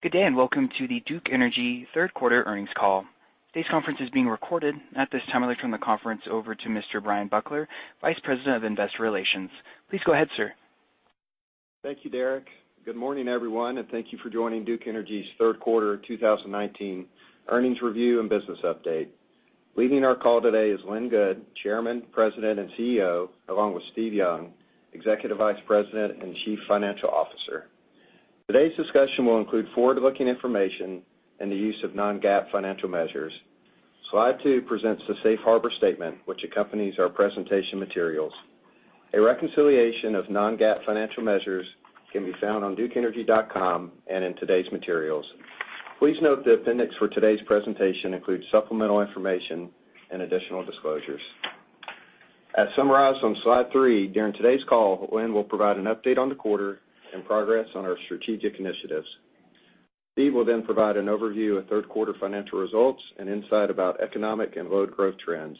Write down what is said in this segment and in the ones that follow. Good day. Welcome to the Duke Energy third quarter earnings call. Today's conference is being recorded. At this time, I'll turn the conference over to Mr. Bryan Buckler, Vice President of Investor Relations. Please go ahead, sir. Thank you, Derek. Good morning, everyone, and thank you for joining Duke Energy's third quarter 2019 earnings review and business update. Leading our call today is Lynn Good, Chairman, President, and CEO, along with Steve Young, Executive Vice President and Chief Financial Officer. Today's discussion will include forward-looking information and the use of non-GAAP financial measures. Slide two presents the safe harbor statement which accompanies our presentation materials. A reconciliation of non-GAAP financial measures can be found on dukeenergy.com and in today's materials. Please note the appendix for today's presentation includes supplemental information and additional disclosures. As summarized on slide three, during today's call, Lynn will provide an update on the quarter and progress on our strategic initiatives. Steve will provide an overview of third-quarter financial results and insight about economic and load growth trends.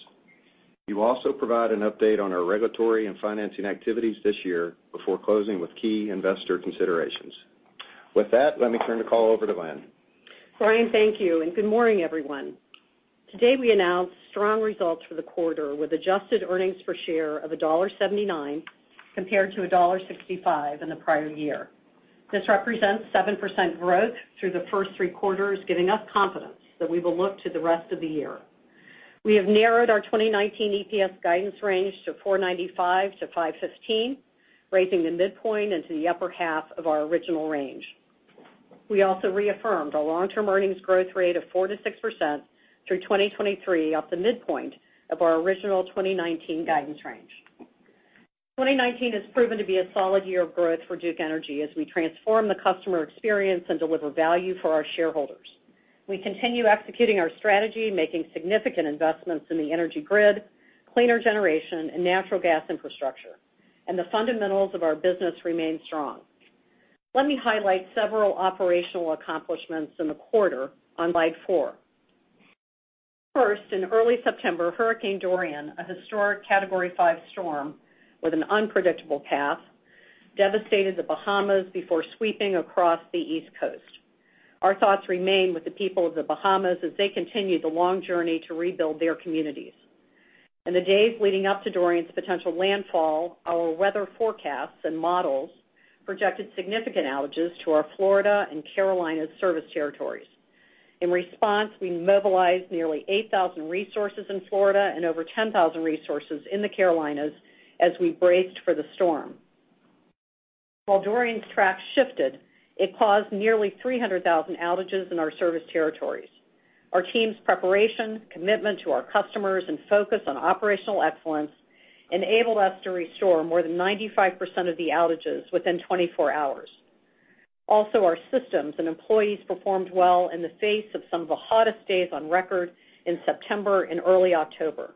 He will also provide an update on our regulatory and financing activities this year before closing with key investor considerations. With that, let me turn the call over to Lynn. Bryan, thank you. Good morning, everyone. Today, we announced strong results for the quarter with adjusted earnings per share of $1.79 compared to $1.65 in the prior year. This represents 7% growth through the first three quarters, giving us confidence that we will look to the rest of the year. We have narrowed our 2019 EPS guidance range to $4.95-$5.15, raising the midpoint into the upper half of our original range. We also reaffirmed our long-term earnings growth rate of 4%-6% through 2023 off the midpoint of our original 2019 guidance range. 2019 has proven to be a solid year of growth for Duke Energy as we transform the customer experience and deliver value for our shareholders. We continue executing our strategy, making significant investments in the energy grid, cleaner generation, and natural gas infrastructure, and the fundamentals of our business remain strong. Let me highlight several operational accomplishments in the quarter on slide four. First, in early September, Hurricane Dorian, a historic Category 5 storm with an unpredictable path, devastated the Bahamas before sweeping across the East Coast. Our thoughts remain with the people of the Bahamas as they continue the long journey to rebuild their communities. In the days leading up to Dorian's potential landfall, our weather forecasts and models projected significant outages to our Florida and Carolinas service territories. In response, we mobilized nearly 8,000 resources in Florida and over 10,000 resources in the Carolinas as we braced for the storm. While Dorian's track shifted, it caused nearly 300,000 outages in our service territories. Our team's preparation, commitment to our customers, and focus on operational excellence enabled us to restore more than 95% of the outages within 24 hours. Our systems and employees performed well in the face of some of the hottest days on record in September and early October.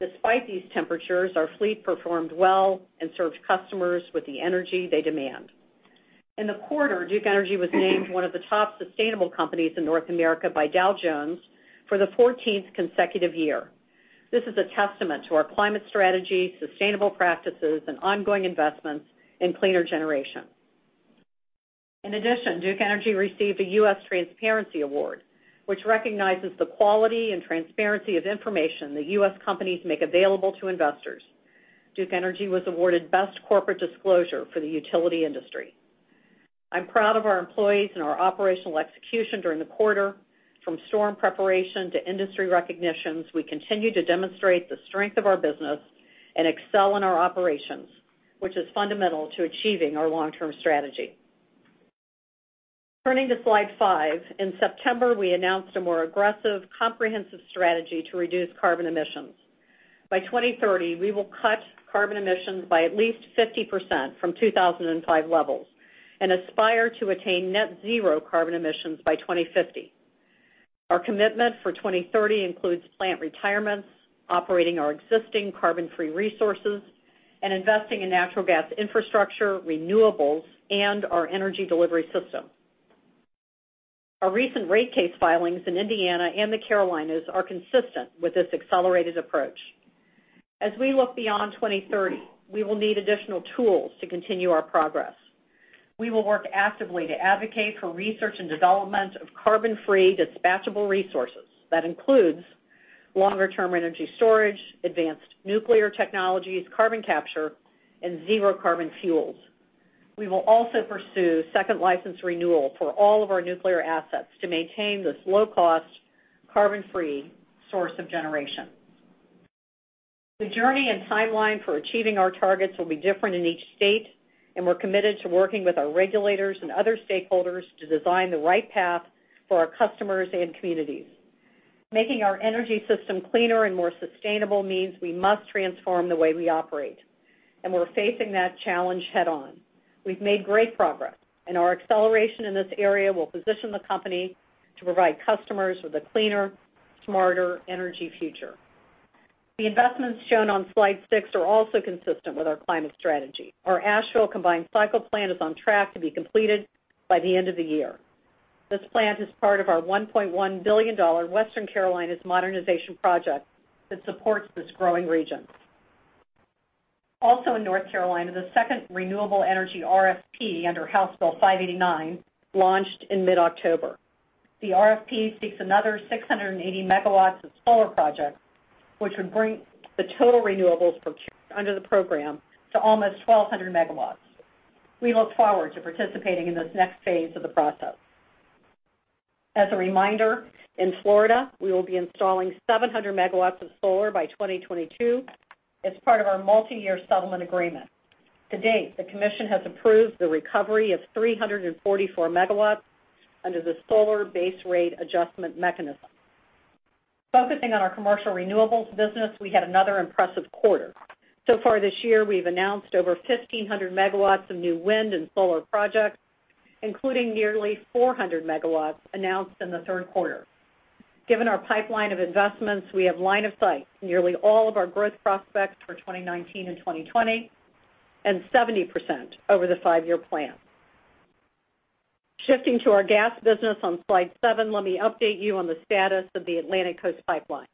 Despite these temperatures, our fleet performed well and served customers with the energy they demand. In the quarter, Duke Energy was named one of the top sustainable companies in North America by Dow Jones for the 14th consecutive year. This is a testament to our climate strategy, sustainable practices, and ongoing investments in cleaner generation. In addition, Duke Energy received a U.S. Transparency Awards, which recognizes the quality and transparency of information that U.S. companies make available to investors. Duke Energy was awarded best corporate disclosure for the utility industry. I'm proud of our employees and our operational execution during the quarter. From storm preparation to industry recognitions, we continue to demonstrate the strength of our business and excel in our operations, which is fundamental to achieving our long-term strategy. Turning to slide five. In September, we announced a more aggressive, comprehensive strategy to reduce carbon emissions. By 2030, we will cut carbon emissions by at least 50% from 2005 levels and aspire to attain net zero carbon emissions by 2050. Our commitment for 2030 includes plant retirements, operating our existing carbon-free resources, and investing in natural gas infrastructure, renewables, and our energy delivery system. Our recent rate case filings in Indiana and the Carolinas are consistent with this accelerated approach. As we look beyond 2030, we will need additional tools to continue our progress. We will work actively to advocate for research and development of carbon-free dispatchable resources. That includes longer-term energy storage, advanced nuclear technologies, carbon capture, and zero-carbon fuels. We will also pursue second license renewal for all of our nuclear assets to maintain this low-cost, carbon-free source of generation. The journey and timeline for achieving our targets will be different in each state, and we're committed to working with our regulators and other stakeholders to design the right path for our customers and communities. Making our energy system cleaner and more sustainable means we must transform the way we operate, and we're facing that challenge head-on. We've made great progress, and our acceleration in this area will position the company to provide customers with a cleaner, smarter energy future. The investments shown on slide six are also consistent with our climate strategy. Our Asheville combined cycle plant is on track to be completed by the end of the year. This plant is part of our $1.1 billion Western Carolinas Modernization Project that supports this growing region. Also in North Carolina, the second renewable energy RFP under House Bill 589 launched in mid-October. The RFP seeks another 680 megawatts of solar projects, which would bring the total renewables purchased under the program to almost 1,200 megawatts. We look forward to participating in this next phase of the process. As a reminder, in Florida, we will be installing 700 megawatts of solar by 2022 as part of our multi-year settlement agreement. To date, the commission has approved the recovery of 344 megawatts under the Solar Base Rate Adjustment mechanism. Far this year, we've announced over 1,500 megawatts of new wind and solar projects, including nearly 400 megawatts announced in the third quarter. Given our pipeline of investments, we have line of sight to nearly all of our growth prospects for 2019 and 2020, and 70% over the five-year plan. Shifting to our gas business on slide seven, let me update you on the status of the Atlantic Coast Pipeline.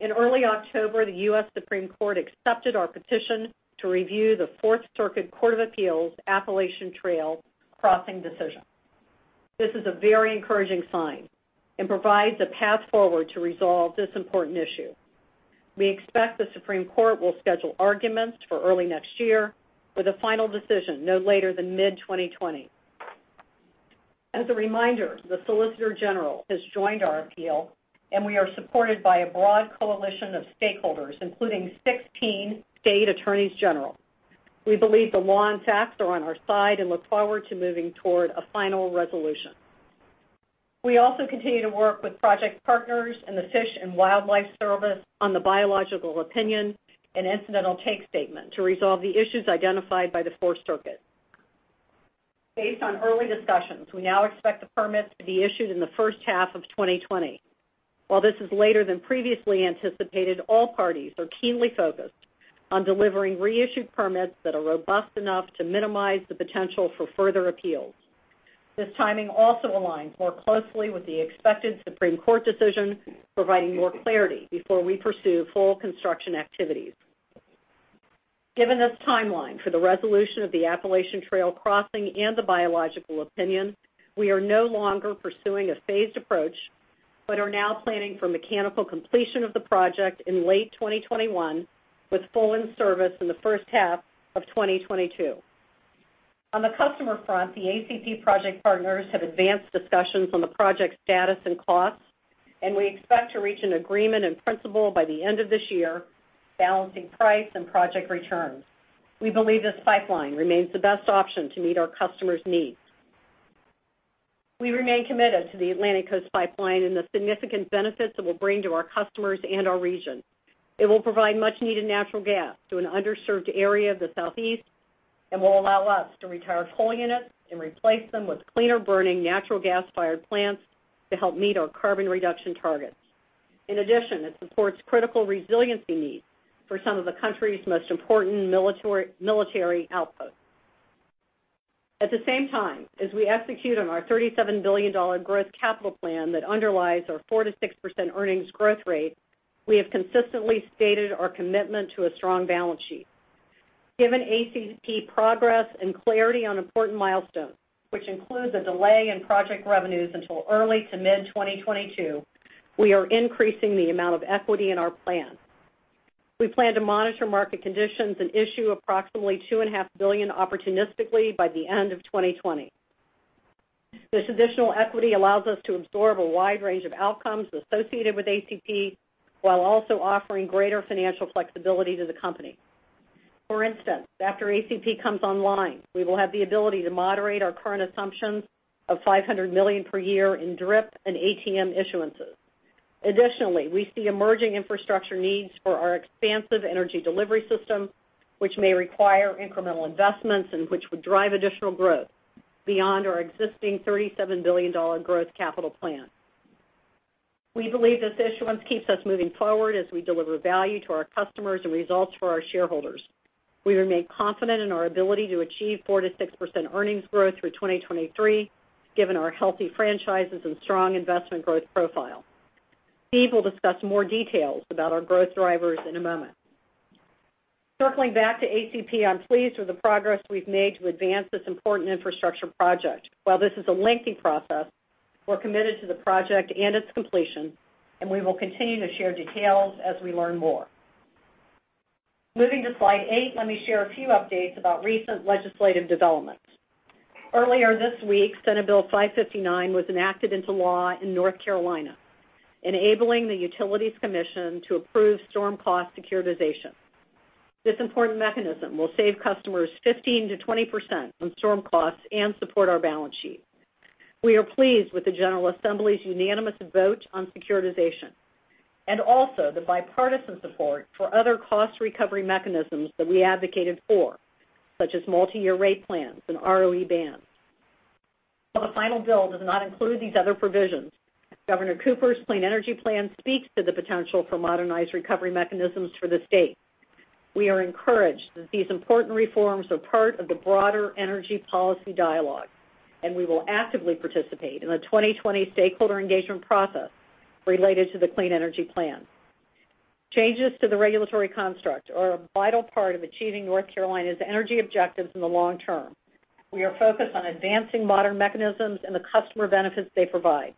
In early October, the U.S. Supreme Court accepted our petition to review the Fourth Circuit Court of Appeals' Appalachian Trail crossing decision. This is a very encouraging sign and provides a path forward to resolve this important issue. We expect the Supreme Court will schedule arguments for early next year with a final decision no later than mid-2020. As a reminder, the solicitor general has joined our appeal, and we are supported by a broad coalition of stakeholders, including 16 state attorneys general. We believe the law and facts are on our side and look forward to moving toward a final resolution. We also continue to work with project partners and the Fish and Wildlife Service on the biological opinion and incidental take statement to resolve the issues identified by the Fourth Circuit. Based on early discussions, we now expect the permits to be issued in the first half of 2020. While this is later than previously anticipated, all parties are keenly focused on delivering reissued permits that are robust enough to minimize the potential for further appeals. This timing also aligns more closely with the expected Supreme Court decision, providing more clarity before we pursue full construction activities. Given this timeline for the resolution of the Appalachian Trail crossing and the biological opinion, we are no longer pursuing a phased approach, but are now planning for mechanical completion of the project in late 2021, with full in-service in the first half of 2022. On the customer front, the ACP project partners have advanced discussions on the project status and costs, and we expect to reach an agreement in principle by the end of this year, balancing price and project returns. We believe this pipeline remains the best option to meet our customers' needs. We remain committed to the Atlantic Coast Pipeline and the significant benefits it will bring to our customers and our region. It will provide much-needed natural gas to an underserved area of the Southeast and will allow us to retire coal units and replace them with cleaner-burning natural gas-fired plants to help meet our carbon reduction targets. In addition, it supports critical resiliency needs for some of the country's most important military outposts. At the same time, as we execute on our $37 billion growth capital plan that underlies our 4%-6% earnings growth rate, we have consistently stated our commitment to a strong balance sheet. Given ACP progress and clarity on important milestones, which includes a delay in project revenues until early to mid-2022, we are increasing the amount of equity in our plan. We plan to monitor market conditions and issue approximately $2.5 billion opportunistically by the end of 2020. This additional equity allows us to absorb a wide range of outcomes associated with ACP, while also offering greater financial flexibility to the company. For instance, after ACP comes online, we will have the ability to moderate our current assumptions of $500 million per year in DRIP and ATM issuances. Additionally, we see emerging infrastructure needs for our expansive energy delivery system, which may require incremental investments and which would drive additional growth beyond our existing $37 billion growth capital plan. We believe this issuance keeps us moving forward as we deliver value to our customers and results for our shareholders. We remain confident in our ability to achieve 4% to 6% earnings growth through 2023, given our healthy franchises and strong investment growth profile. Steve will discuss more details about our growth drivers in a moment. Circling back to ACP, I'm pleased with the progress we've made to advance this important infrastructure project. While this is a lengthy process, we're committed to the project and its completion, and we will continue to share details as we learn more. Moving to slide eight, let me share a few updates about recent legislative developments. Earlier this week, Senate Bill 559 was enacted into law in North Carolina, enabling the Utilities Commission to approve storm cost securitization. This important mechanism will save customers 15%-20% on storm costs and support our balance sheet. We are pleased with the General Assembly's unanimous vote on securitization, and also the bipartisan support for other cost recovery mechanisms that we advocated for, such as multi-year rate plans and ROE bands. While the final bill does not include these other provisions, Governor Cooper's Clean Energy Plan speaks to the potential for modernized recovery mechanisms for the state. We are encouraged that these important reforms are part of the broader energy policy dialogue, and we will actively participate in the 2020 stakeholder engagement process related to the Clean Energy Plan. Changes to the regulatory construct are a vital part of achieving North Carolina's energy objectives in the long term. We are focused on advancing modern mechanisms and the customer benefits they provide.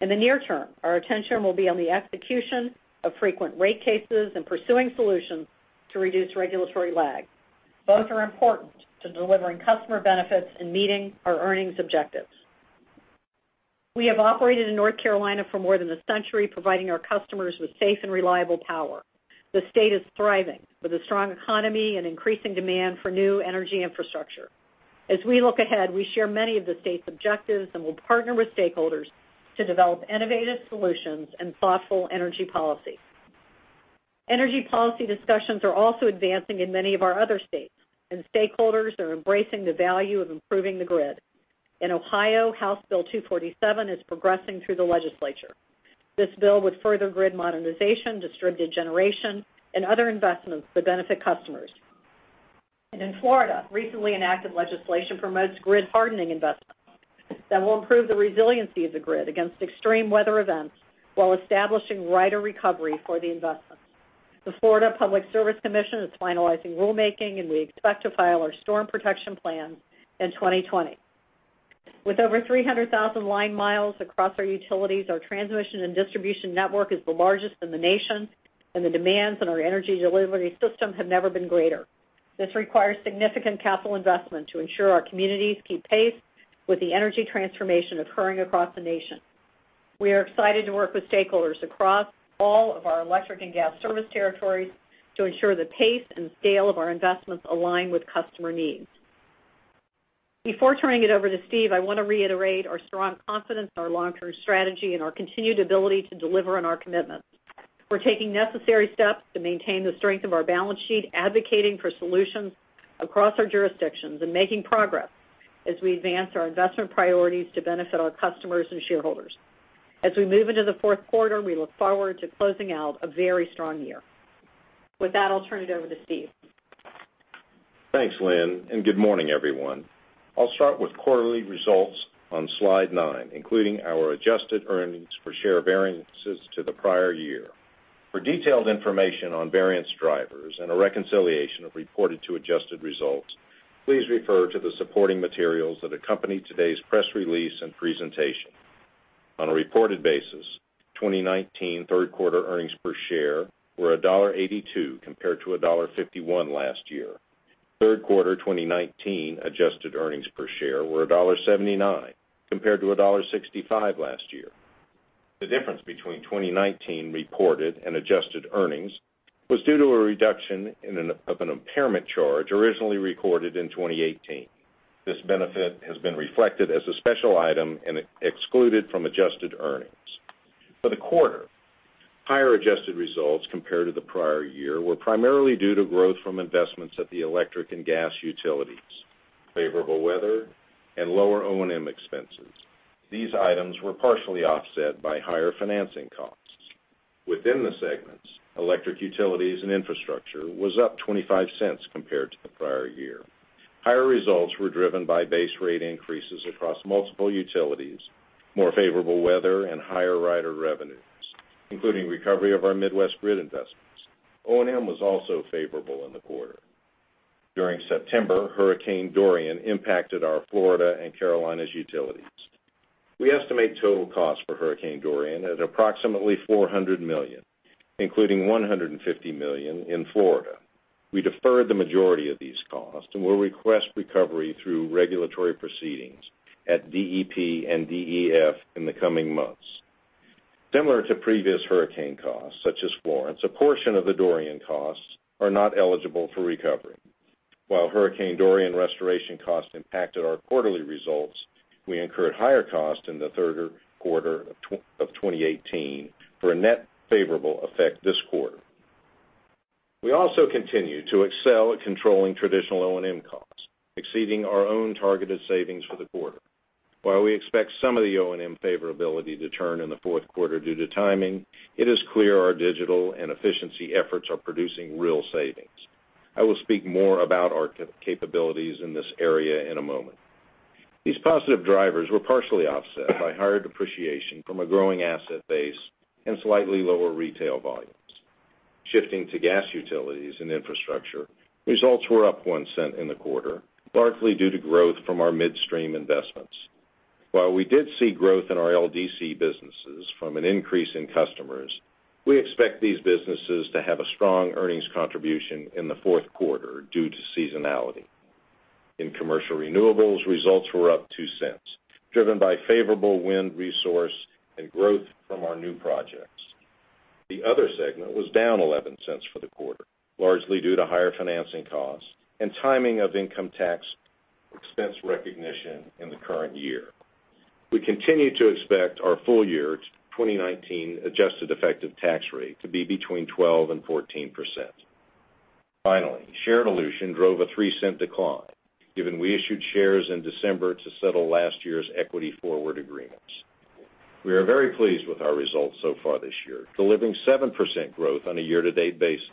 In the near term, our attention will be on the execution of frequent rate cases and pursuing solutions to reduce regulatory lag. Both are important to delivering customer benefits and meeting our earnings objectives. We have operated in North Carolina for more than a century, providing our customers with safe and reliable power. The state is thriving, with a strong economy and increasing demand for new energy infrastructure. As we look ahead, we share many of the state's objectives and will partner with stakeholders to develop innovative solutions and thoughtful energy policy. Energy policy discussions are also advancing in many of our other states, and stakeholders are embracing the value of improving the grid. In Ohio, House Bill 247 is progressing through the legislature. This bill would further grid modernization, distributed generation, and other investments that benefit customers. In Florida, recently enacted legislation promotes grid-hardening investments that will improve the resiliency of the grid against extreme weather events while establishing rider recovery for the investments. The Florida Public Service Commission is finalizing rulemaking, and we expect to file our storm protection plan in 2020. With over 300,000 line miles across our utilities, our transmission and distribution network is the largest in the nation, and the demands on our energy delivery system have never been greater. This requires significant capital investment to ensure our communities keep pace with the energy transformation occurring across the nation. We are excited to work with stakeholders across all of our electric and gas service territories to ensure the pace and scale of our investments align with customer needs. Before turning it over to Steve, I want to reiterate our strong confidence in our long-term strategy and our continued ability to deliver on our commitments. We're taking necessary steps to maintain the strength of our balance sheet, advocating for solutions across our jurisdictions, and making progress as we advance our investment priorities to benefit our customers and shareholders. As we move into the fourth quarter, we look forward to closing out a very strong year. With that, I'll turn it over to Steve. Thanks, Lynn, good morning, everyone. I'll start with quarterly results on slide nine, including our adjusted earnings per share variances to the prior year. For detailed information on variance drivers and a reconciliation of reported to adjusted results, please refer to the supporting materials that accompany today's press release and presentation. On a reported basis, 2019 third-quarter earnings per share were $1.82 compared to $1.51 last year. Third quarter 2019 adjusted earnings per share were $1.79 compared to $1.65 last year. The difference between 2019 reported and adjusted earnings was due to a reduction of an impairment charge originally recorded in 2018. This benefit has been reflected as a special item and excluded from adjusted earnings. For the quarter, higher adjusted results compared to the prior year were primarily due to growth from investments at the electric and gas utilities, favorable weather, and lower O&M expenses. These items were partially offset by higher financing costs. Within the segments, Electric Utilities and Infrastructure was up $0.25 compared to the prior year. Higher results were driven by base rate increases across multiple utilities, more favorable weather, and higher rider revenues, including recovery of our Midwest grid investments. O&M was also favorable in the quarter. During September, Hurricane Dorian impacted our Florida and Carolinas utilities. We estimate total costs for Hurricane Dorian at approximately $400 million, including $150 million in Florida. We deferred the majority of these costs and will request recovery through regulatory proceedings at DEP and DEF in the coming months. Similar to previous hurricane costs, such as Florence, a portion of the Dorian costs are not eligible for recovery. While Hurricane Dorian restoration costs impacted our quarterly results, we incurred higher costs in the third quarter of 2018 for a net favorable effect this quarter. We also continue to excel at controlling traditional O&M costs, exceeding our own targeted savings for the quarter. While we expect some of the O&M favorability to turn in the fourth quarter due to timing, it is clear our digital and efficiency efforts are producing real savings. I will speak more about our capabilities in this area in a moment. These positive drivers were partially offset by higher depreciation from a growing asset base and slightly lower retail volumes. Shifting to gas utilities and infrastructure, results were up $0.01 in the quarter, largely due to growth from our midstream investments. While we did see growth in our LDC businesses from an increase in customers, we expect these businesses to have a strong earnings contribution in the fourth quarter due to seasonality. In commercial renewables, results were up $0.02, driven by favorable wind resource and growth from our new projects. The other segment was down $0.11 for the quarter, largely due to higher financing costs and timing of income tax expense recognition in the current year. We continue to expect our full-year 2019 adjusted effective tax rate to be between 12% and 14%. Finally, share dilution drove a $0.03 decline, given we issued shares in December to settle last year's equity forward agreements. We are very pleased with our results so far this year, delivering 7% growth on a year-to-date basis.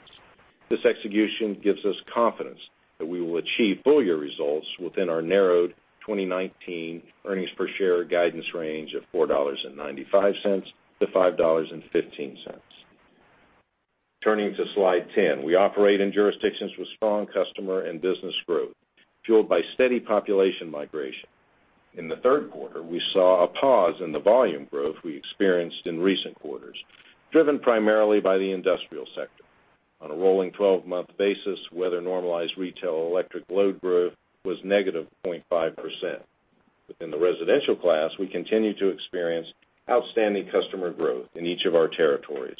This execution gives us confidence that we will achieve full-year results within our narrowed 2019 earnings per share guidance range of $4.95 to $5.15. Turning to slide 10. We operate in jurisdictions with strong customer and business growth, fueled by steady population migration. In the third quarter, we saw a pause in the volume growth we experienced in recent quarters, driven primarily by the industrial sector. On a rolling 12-month basis, weather-normalized retail electric load growth was negative 0.5%. Within the residential class, we continue to experience outstanding customer growth in each of our territories,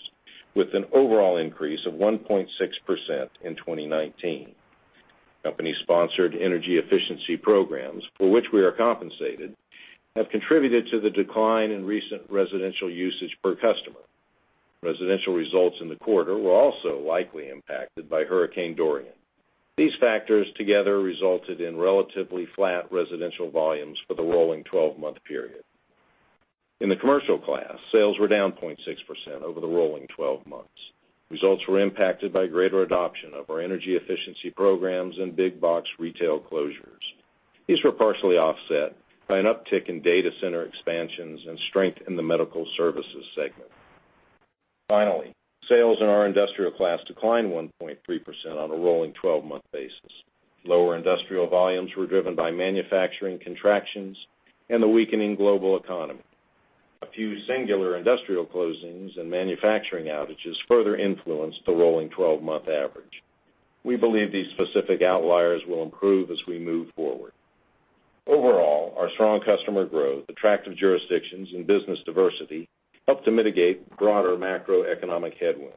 with an overall increase of 1.6% in 2019. Company-sponsored energy efficiency programs, for which we are compensated, have contributed to the decline in recent residential usage per customer. Residential results in the quarter were also likely impacted by Hurricane Dorian. These factors together resulted in relatively flat residential volumes for the rolling 12-month period. In the commercial class, sales were down 0.6% over the rolling 12 months. Results were impacted by greater adoption of our energy efficiency programs and big box retail closures. These were partially offset by an uptick in data center expansions and strength in the medical services segment. Sales in our industrial class declined 1.3% on a rolling 12-month basis. Lower industrial volumes were driven by manufacturing contractions and the weakening global economy. A few singular industrial closings and manufacturing outages further influenced the rolling 12-month average. We believe these specific outliers will improve as we move forward. Overall, our strong customer growth, attractive jurisdictions, and business diversity help to mitigate broader macroeconomic headwinds.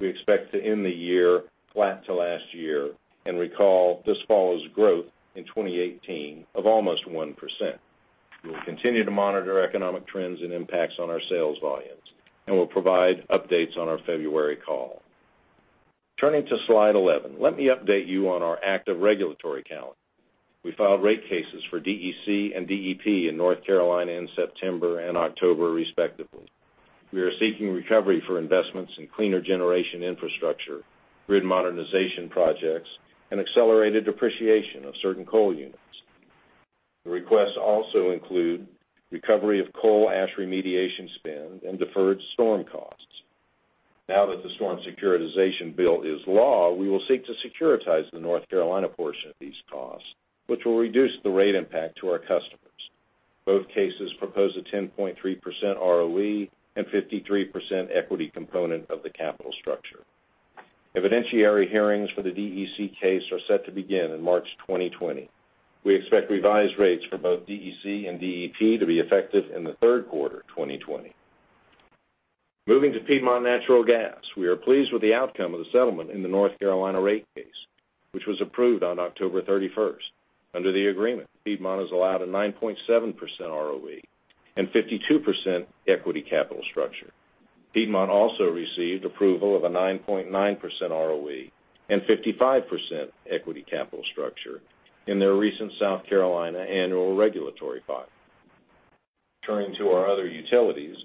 We expect to end the year flat to last year, recall this follows growth in 2018 of almost 1%. We will continue to monitor economic trends and impacts on our sales volumes, will provide updates on our February call. Turning to slide 11. Let me update you on our active regulatory calendar. We filed rate cases for DEC and DEP in North Carolina in September and October respectively. We are seeking recovery for investments in cleaner generation infrastructure, grid modernization projects, and accelerated depreciation of certain coal units. The requests also include recovery of coal ash remediation spend and deferred storm costs. Now that the storm securitization bill is law, we will seek to securitize the North Carolina portion of these costs, which will reduce the rate impact to our customers. Both cases propose a 10.3% ROE and 53% equity component of the capital structure. Evidentiary hearings for the DEC case are set to begin in March 2020. We expect revised rates for both DEC and DEP to be effective in the third quarter 2020. Moving to Piedmont Natural Gas, we are pleased with the outcome of the settlement in the North Carolina rate case, which was approved on October 31st. Under the agreement, Piedmont is allowed a 9.7% ROE and 52% equity capital structure. Piedmont also received approval of a 9.9% ROE and 55% equity capital structure in their recent South Carolina annual regulatory filing. Turning to our other utilities,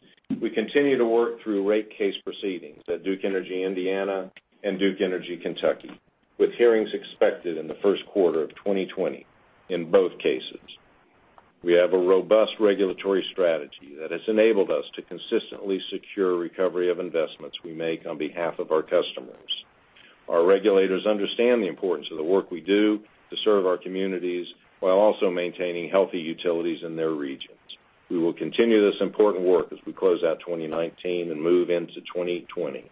we continue to work through rate case proceedings at Duke Energy Indiana and Duke Energy Kentucky, with hearings expected in the first quarter of 2020 in both cases. We have a robust regulatory strategy that has enabled us to consistently secure recovery of investments we make on behalf of our customers. Our regulators understand the importance of the work we do to serve our communities while also maintaining healthy utilities in their regions. We will continue this important work as we close out 2019 and move into 2020.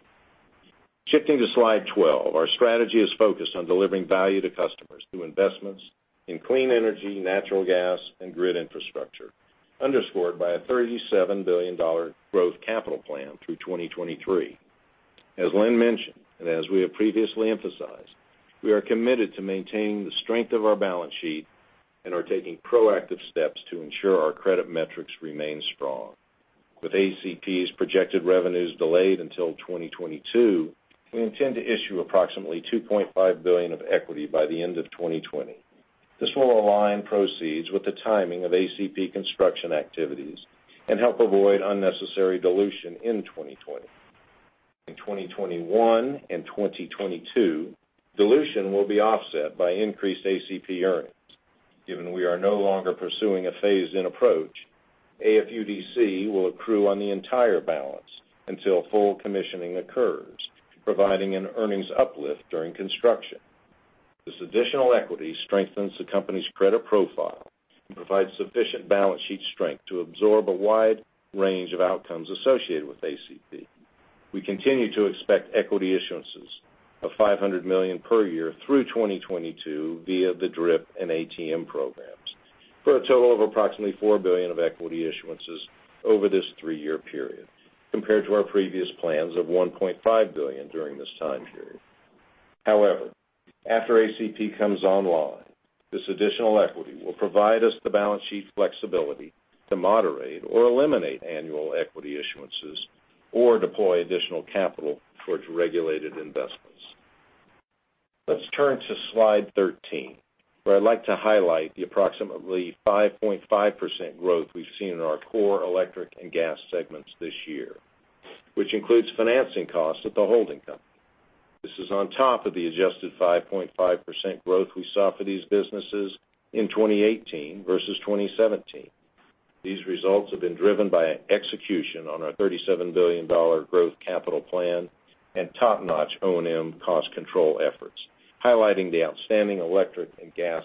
Shifting to slide 12. Our strategy is focused on delivering value to customers through investments in clean energy, natural gas, and grid infrastructure, underscored by a $37 billion growth capital plan through 2023. As Lynn mentioned, and as we have previously emphasized, we are committed to maintaining the strength of our balance sheet and are taking proactive steps to ensure our credit metrics remain strong. With ACP's projected revenues delayed until 2022, we intend to issue approximately $2.5 billion of equity by the end of 2020. This will align proceeds with the timing of ACP construction activities and help avoid unnecessary dilution in 2020. In 2021 and 2022, dilution will be offset by increased ACP earnings. Given we are no longer pursuing a phase-in approach, AFUDC will accrue on the entire balance until full commissioning occurs, providing an earnings uplift during construction. This additional equity strengthens the company's credit profile and provides sufficient balance sheet strength to absorb a wide range of outcomes associated with ACP. We continue to expect equity issuances of $500 million per year through 2022 via the DRIP and ATM programs, for a total of approximately $4 billion of equity issuances over this three-year period, compared to our previous plans of $1.5 billion during this time period. However, after ACP comes online, this additional equity will provide us the balance sheet flexibility to moderate or eliminate annual equity issuances or deploy additional capital towards regulated investments. Let's turn to slide 13, where I'd like to highlight the approximately 5.5% growth we've seen in our core electric and gas segments this year, which includes financing costs at the holding company. This is on top of the adjusted 5.5% growth we saw for these businesses in 2018 versus 2017. These results have been driven by an execution on our $37 billion growth capital plan and top-notch O&M cost control efforts, highlighting the outstanding electric and gas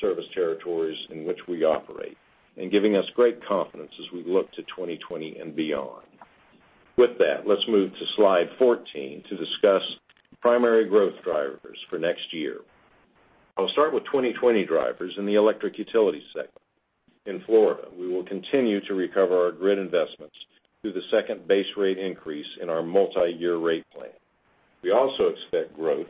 service territories in which we operate and giving us great confidence as we look to 2020 and beyond. With that, let's move to slide 14 to discuss primary growth drivers for next year. I'll start with 2020 drivers in the electric utility segment. In Florida, we will continue to recover our grid investments through the second base rate increase in our multi-year rate plan. We also expect growth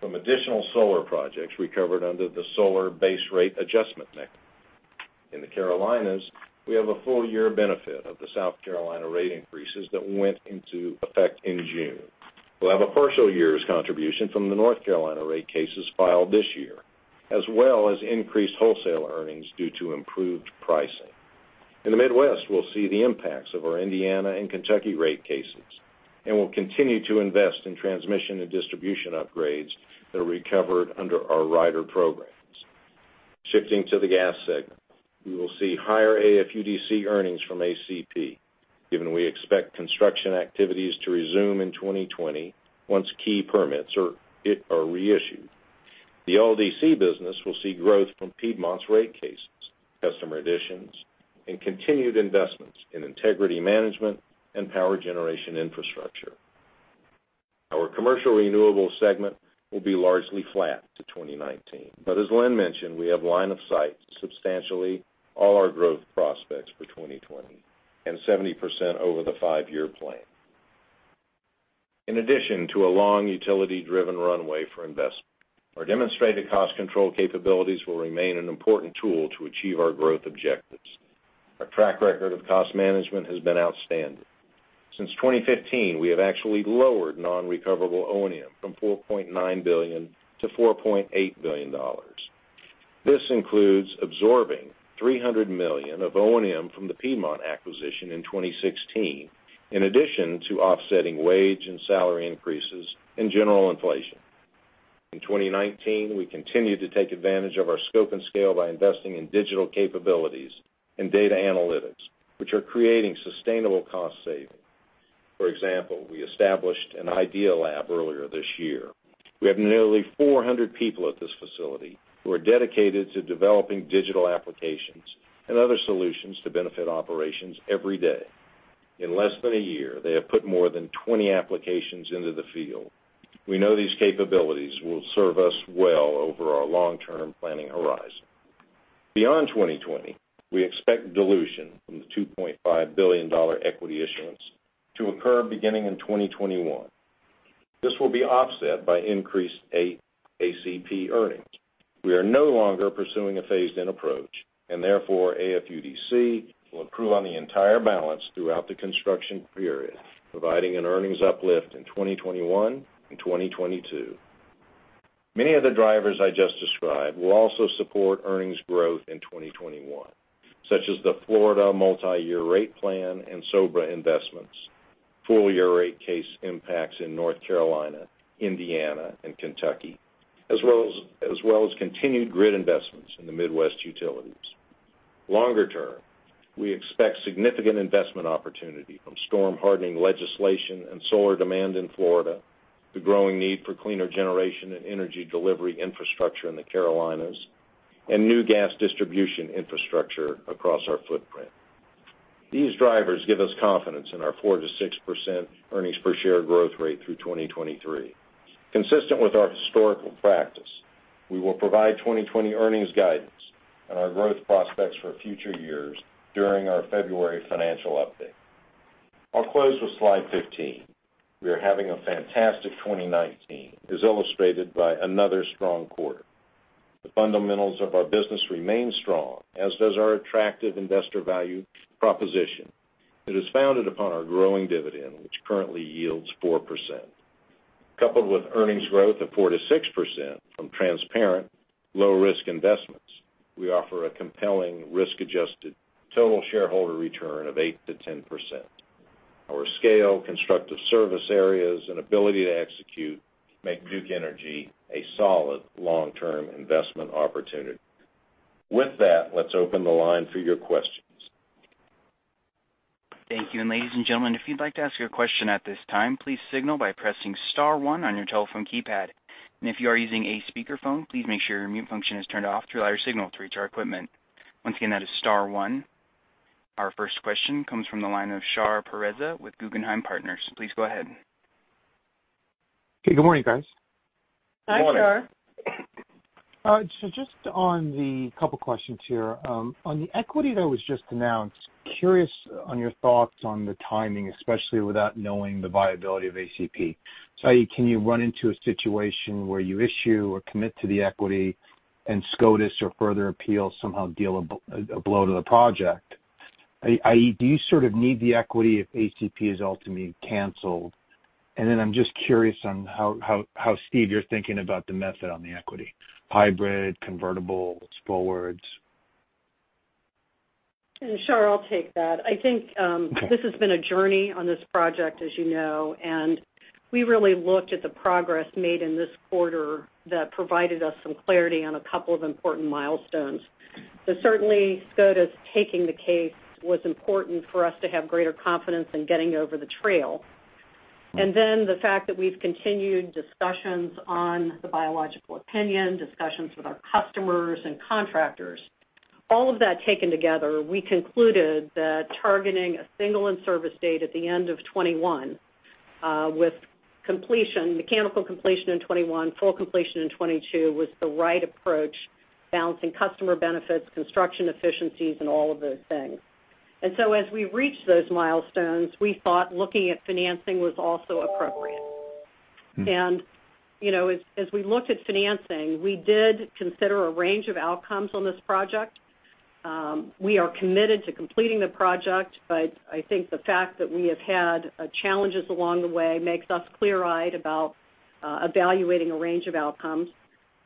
from additional solar projects we covered under the Solar Base Rate Adjustment mechanism. In the Carolinas, we have a full year benefit of the South Carolina rate increases that went into effect in June. We'll have a partial year's contribution from the North Carolina rate cases filed this year, as well as increased wholesale earnings due to improved pricing. In the Midwest, we'll see the impacts of our Indiana and Kentucky rate cases, and we'll continue to invest in transmission and distribution upgrades that are recovered under our rider programs. Shifting to the gas segment, we will see higher AFUDC earnings from ACP, given we expect construction activities to resume in 2020 once key permits are reissued. The LDC business will see growth from Piedmont's rate cases, customer additions, and continued investments in integrity management and power generation infrastructure. Our commercial renewables segment will be largely flat to 2019. As Lynn mentioned, we have line of sight to substantially all our growth prospects for 2020 and 70% over the five-year plan. In addition to a long utility-driven runway for investment, our demonstrated cost control capabilities will remain an important tool to achieve our growth objectives. Our track record of cost management has been outstanding. Since 2015, we have actually lowered non-recoverable O&M from $4.9 billion to $4.8 billion. This includes absorbing $300 million of O&M from the Piedmont acquisition in 2016, in addition to offsetting wage and salary increases and general inflation. In 2019, we continued to take advantage of our scope and scale by investing in digital capabilities and data analytics, which are creating sustainable cost saving. For example, we established an IDEA Lab earlier this year. We have nearly 400 people at this facility who are dedicated to developing digital applications and other solutions to benefit operations every day. In less than a year, they have put more than 20 applications into the field. We know these capabilities will serve us well over our long-term planning horizon. Beyond 2020, we expect dilution from the $2.5 billion equity issuance to occur beginning in 2021. This will be offset by increased ACP earnings. We are no longer pursuing a phased-in approach, and therefore, AFUDC will accrue on the entire balance throughout the construction period, providing an earnings uplift in 2021 and 2022. Many of the drivers I just described will also support earnings growth in 2021, such as the Florida multi-year rate plan and SoBRA investments, full-year rate case impacts in North Carolina, Indiana, and Kentucky, as well as continued grid investments in the Midwest utilities. Longer term, we expect significant investment opportunity from storm hardening legislation and solar demand in Florida, the growing need for cleaner generation and energy delivery infrastructure in the Carolinas, and new gas distribution infrastructure across our footprint. These drivers give us confidence in our 4%-6% earnings per share growth rate through 2023. Consistent with our historical practice, we will provide 2020 earnings guidance and our growth prospects for future years during our February financial update. I'll close with slide 15. We are having a fantastic 2019, as illustrated by another strong quarter. The fundamentals of our business remain strong, as does our attractive investor value proposition. It is founded upon our growing dividend, which currently yields 4%. Coupled with earnings growth of 4%-6% from transparent low-risk investments, we offer a compelling risk-adjusted total shareholder return of 8%-10%. Our scale, constructive service areas, and ability to execute make Duke Energy a solid long-term investment opportunity. With that, let's open the line for your questions. Thank you. Ladies and gentlemen, if you'd like to ask your question at this time, please signal by pressing star one on your telephone keypad. If you are using a speakerphone, please make sure your mute function is turned off to allow your signal to reach our equipment. Once again, that is star one. Our first question comes from the line of Shar Pourreza with Guggenheim Partners. Please go ahead. Okay, good morning, guys. Good morning. Hi, Shar. Just on the couple questions here. On the equity that was just announced, curious on your thoughts on the timing, especially without knowing the viability of ACP. Can you run into a situation where you issue or commit to the equity and SCOTUS or further appeals somehow deal a blow to the project? Do you sort of need the equity if ACP is ultimately canceled? Then I'm just curious on how, Steve, you're thinking about the method on the equity, hybrid, convertibles, forwards. Sure. I'll take that. Okay this has been a journey on this project, as you know, and we really looked at the progress made in this quarter that provided us some clarity on a couple of important milestones. Certainly, SCOTUS taking the case was important for us to have greater confidence in getting over the trail. The fact that we've continued discussions on the biological opinion, discussions with our customers and contractors. All of that taken together, we concluded that targeting a single in-service date at the end of 2021, with mechanical completion in 2021, full completion in 2022 was the right approach, balancing customer benefits, construction efficiencies, and all of those things. As we reached those milestones, we thought looking at financing was also appropriate. as we looked at financing, we did consider a range of outcomes on this project. We are committed to completing the project, but I think the fact that we have had challenges along the way makes us clear-eyed about evaluating a range of outcomes.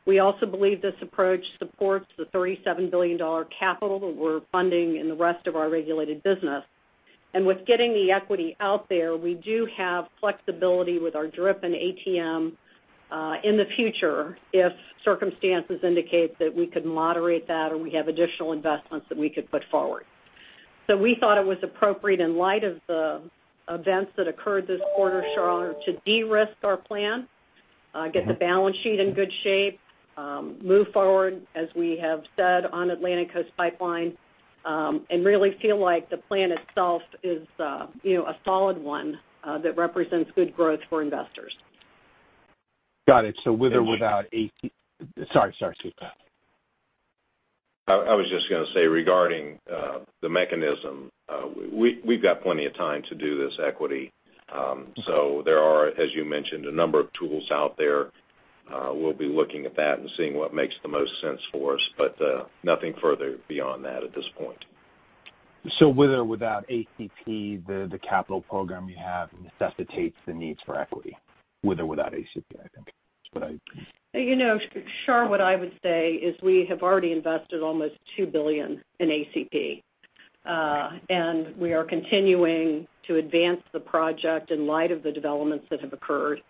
We also believe this approach supports the $37 billion capital that we're funding in the rest of our regulated business. with getting the equity out there, we do have flexibility with our DRIP and ATM, in the future, if circumstances indicate that we could moderate that or we have additional investments that we could put forward. we thought it was appropriate in light of the events that occurred this quarter, Shar, to de-risk our plan. get the balance sheet in good shape, move forward, as we have said, on Atlantic Coast Pipeline, and really feel like the plan itself is a solid one that represents good growth for investors. Got it. With or without ACP? Sorry, Steve. I was just going to say, regarding the mechanism, we've got plenty of time to do this equity. There are, as you mentioned, a number of tools out there. We'll be looking at that and seeing what makes the most sense for us, but nothing further beyond that at this point. With or without ACP, the capital program you have necessitates the needs for equity, with or without ACP, I think. Shar, what I would say is we have already invested almost $2 billion in ACP. Right. We are continuing to advance the project in light of the developments that have occurred.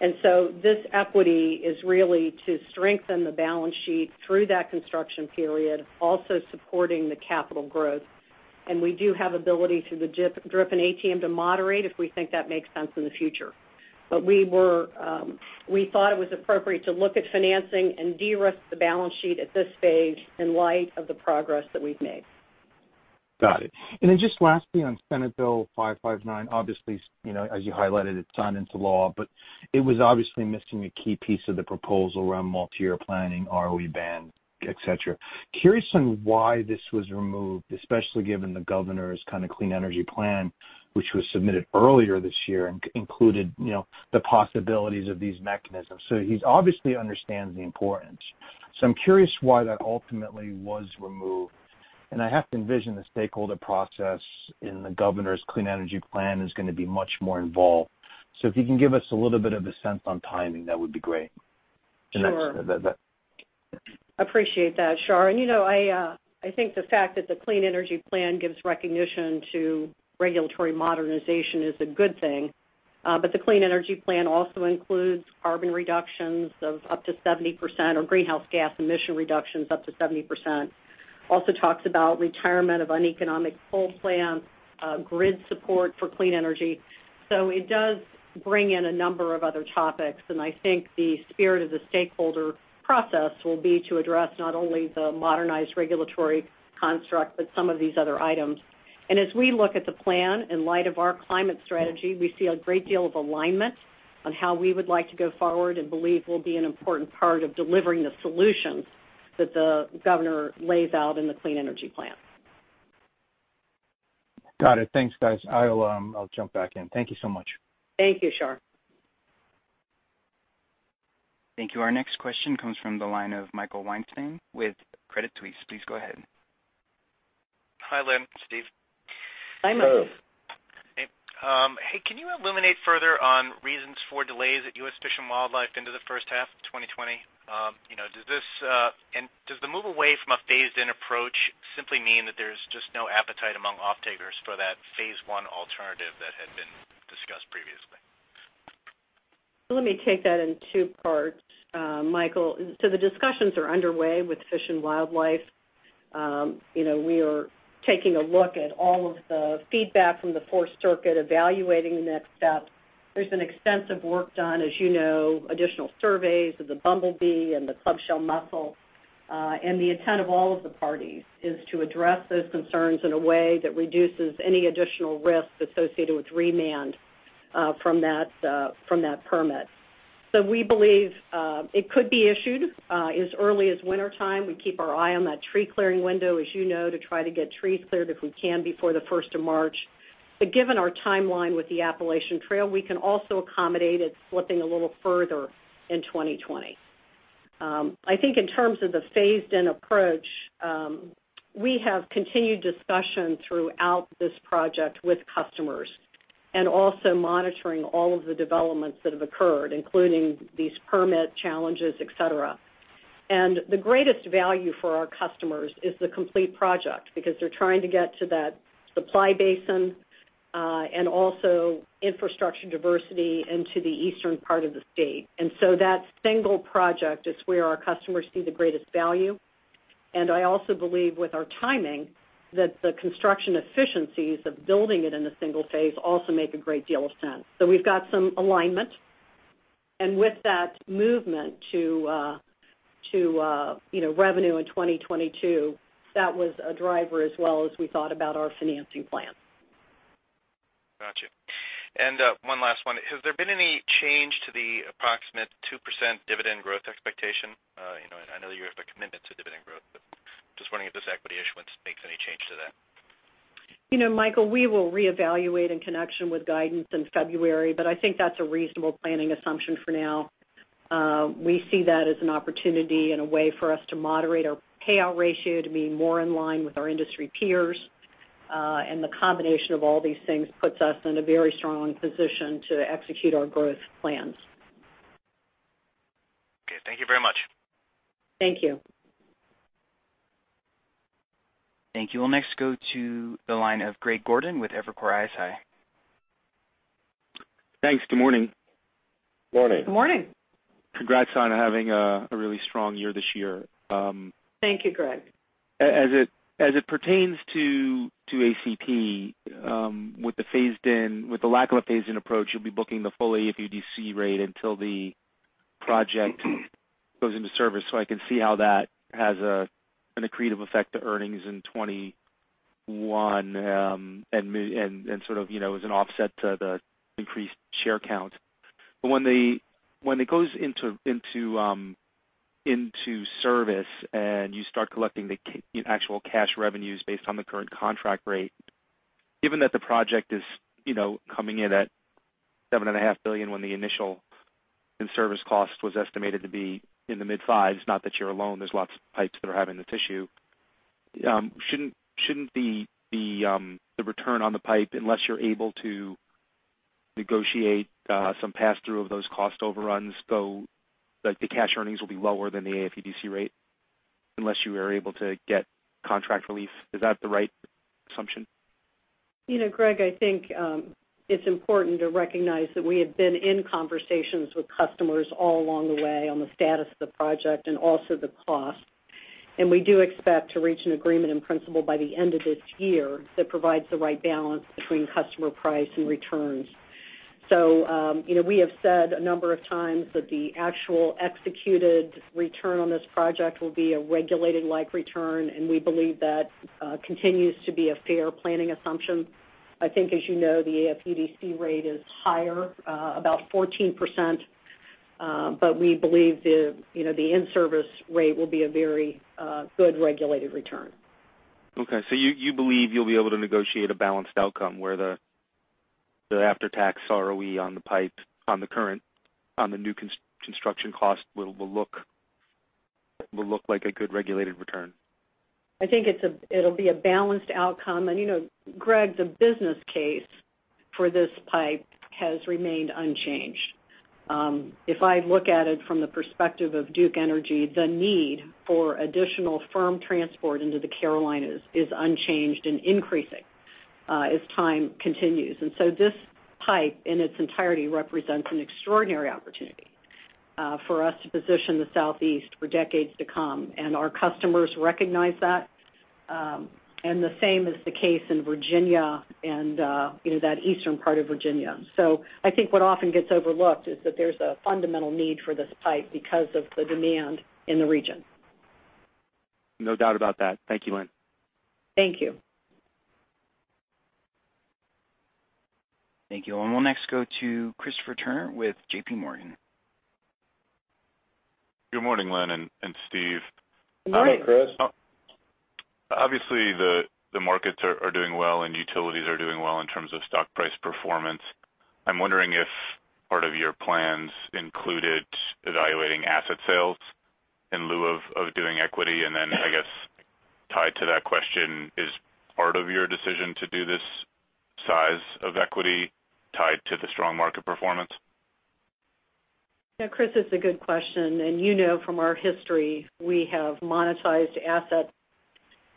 This equity is really to strengthen the balance sheet through that construction period, also supporting the capital growth. We do have ability through the DRIP and ATM to moderate if we think that makes sense in the future. We thought it was appropriate to look at financing and de-risk the balance sheet at this stage in light of the progress that we've made. Lastly, on Senate Bill 559, obviously, as you highlighted, it's signed into law, but it was obviously missing a key piece of the proposal around multi-year planning, ROE ban, et cetera. Curious on why this was removed, especially given the Governor's kind of Clean Energy Plan, which was submitted earlier this year and included the possibilities of these mechanisms. He obviously understands the importance. I'm curious why that ultimately was removed. I have to envision the stakeholder process in the Governor's Clean Energy Plan is going to be much more involved. If you can give us a little bit of a sense on timing, that would be great. Sure. Appreciate that, Shar. I think the fact that the Clean Energy Plan gives recognition to regulatory modernization is a good thing. The Clean Energy Plan also includes carbon reductions of up to 70%, or greenhouse gas emission reductions up to 70%. Also talks about retirement of uneconomic coal plants, grid support for clean energy. It does bring in a number of other topics, and I think the spirit of the stakeholder process will be to address not only the modernized regulatory construct, but some of these other items. As we look at the plan in light of our climate strategy, we see a great deal of alignment on how we would like to go forward and believe will be an important part of delivering the solutions that the governor lays out in the Clean Energy Plan. Got it. Thanks, guys. I'll jump back in. Thank you so much. Thank you, Shar. Thank you. Our next question comes from the line of Michael Weinstein with Credit Suisse. Please go ahead. Hi, Lynn, Steve. Hi, Michael. Hey. Hey. Can you illuminate further on reasons for delays at U.S. Fish and Wildlife into the first half of 2020? Does the move away from a phased-in approach simply mean that there's just no appetite among offtakers for that phase one alternative that had been discussed previously? Let me take that in two parts, Michael. The discussions are underway with Fish and Wildlife. We are taking a look at all of the feedback from the Fourth Circuit, evaluating the next steps. There's been extensive work done, as you know, additional surveys of the bumblebee and the clubshell mussel. The intent of all of the parties is to address those concerns in a way that reduces any additional risk associated with remand from that permit. We believe it could be issued as early as wintertime. We keep our eye on that tree clearing window, as you know, to try to get trees cleared if we can before the 1st of March. Given our timeline with the Appalachian Trail, we can also accommodate it slipping a little further in 2020. I think in terms of the phased-in approach, we have continued discussion throughout this project with customers, and also monitoring all of the developments that have occurred, including these permit challenges, et cetera. The greatest value for our customers is the complete project, because they're trying to get to that supply basin, and also infrastructure diversity into the eastern part of the state. That single project is where our customers see the greatest value. I also believe with our timing, that the construction efficiencies of building it in a single phase also make a great deal of sense. We've got some alignment. With that movement to revenue in 2022, that was a driver as well as we thought about our financing plan. Got you. One last one. Has there been any change to the approximate 2% dividend growth expectation? I know you have a commitment to dividend growth, just wondering if this equity issuance makes any change to that. Michael, we will reevaluate in connection with guidance in February. I think that's a reasonable planning assumption for now. We see that as an opportunity and a way for us to moderate our payout ratio to be more in line with our industry peers. The combination of all these things puts us in a very strong position to execute our growth plans. Okay. Thank you very much. Thank you. Thank you. We'll next go to the line of Greg Gordon with Evercore ISI. Thanks. Good morning. Good morning. Congrats on having a really strong year this year. Thank you, Greg. As it pertains to ACP, with the lack of a phased-in approach, you'll be booking the full AFUDC rate until the project goes into service, so I can see how that has an accretive effect to earnings in 2021, and sort of as an offset to the increased share count. When it goes into service and you start collecting the actual cash revenues based on the current contract rate, given that the project is coming in at $7.5 billion when the initial in-service cost was estimated to be in the mid-fives, not that you're alone, there's lots of pipes that are having this issue, shouldn't the return on the pipe, unless you're able to negotiate some pass-through of those cost overruns, though, the cash earnings will be lower than the AFUDC rate unless you are able to get contract relief. Is that the right assumption? Greg, I think it's important to recognize that we have been in conversations with customers all along the way on the status of the project and also the cost. We do expect to reach an agreement in principle by the end of this year that provides the right balance between customer price and returns. We have said a number of times that the actual executed return on this project will be a regulated-like return, and we believe that continues to be a fair planning assumption. As you know, the AFUDC rate is higher, about 14%, but we believe the in-service rate will be a very good regulated return. Okay. You believe you'll be able to negotiate a balanced outcome where the after-tax ROE on the pipe on the new construction cost will look like a good regulated return? I think it'll be a balanced outcome. Greg, the business case for this pipe has remained unchanged. If I look at it from the perspective of Duke Energy, the need for additional firm transport into the Carolinas is unchanged and increasing as time continues. This pipe, in its entirety, represents an extraordinary opportunity for us to position the Southeast for decades to come, and our customers recognize that. The same is the case in Virginia and that eastern part of Virginia. I think what often gets overlooked is that there's a fundamental need for this pipe because of the demand in the region. No doubt about that. Thank you, Lynn. Thank you. Thank you. We'll next go to Christopher Turnure with JPMorgan. Good morning, Lynn and Steve. Good morning, Chris. The markets are doing well and utilities are doing well in terms of stock price performance. I'm wondering if part of your plans included evaluating asset sales in lieu of doing equity, I guess tied to that question, is part of your decision to do this size of equity tied to the strong market performance? Yeah, Chris, it's a good question. You know from our history we have monetized assets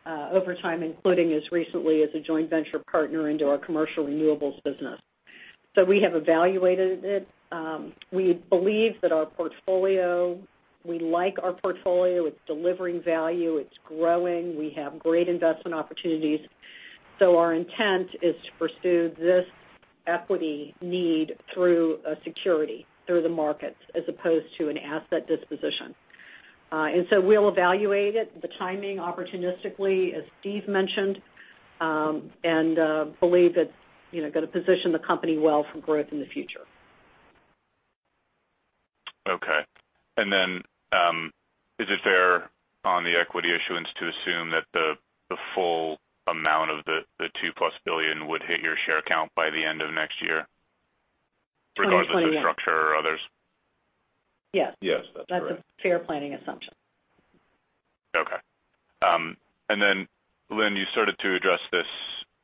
over time, including as recently as a joint venture partner into our commercial renewables business. We have evaluated it. We believe that our portfolio. We like our portfolio. It's delivering value. It's growing. We have great investment opportunities. Our intent is to pursue this equity need through a security, through the markets, as opposed to an asset disposition. We'll evaluate it, the timing opportunistically, as Steve mentioned, and believe that going to position the company well for growth in the future. Okay. Is it fair on the equity issuance to assume that the full amount of the $2-plus billion would hit your share count by the end of next year, regardless of structure or others? Yes. Yes, that's correct. That's a fair planning assumption. Okay. Lynn, you started to address this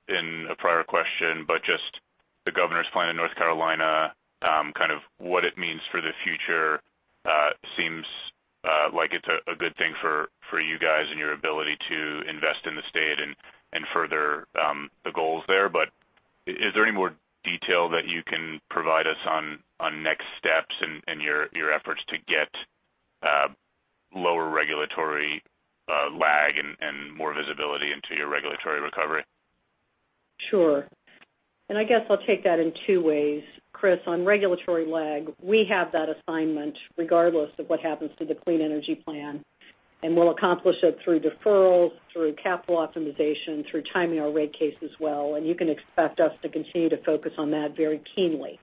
in a prior question, but just the Governor's plan in North Carolina, kind of what it means for the future, seems like it's a good thing for you guys in your ability to invest in the state and further the goals there. Is there any more detail that you can provide us on next steps in your efforts to get lower regulatory lag and more visibility into your regulatory recovery? Sure. I guess I'll take that in two ways, Chris. On regulatory lag, we have that assignment regardless of what happens to the Clean Energy Plan, and we'll accomplish it through deferrals, through capital optimization, through timing our rate cases well. You can expect us to continue to focus on that very keenly.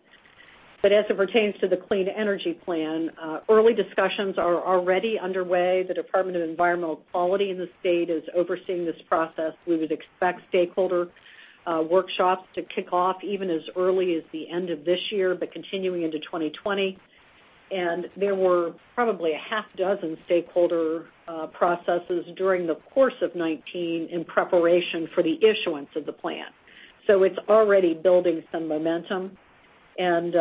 As it pertains to the Clean Energy Plan, early discussions are already underway. The Department of Environmental Quality in the state is overseeing this process. We would expect stakeholder workshops to kick off even as early as the end of this year, but continuing into 2020. There were probably a half dozen stakeholder processes during the course of 2019 in preparation for the issuance of the plan. It's already building some momentum, and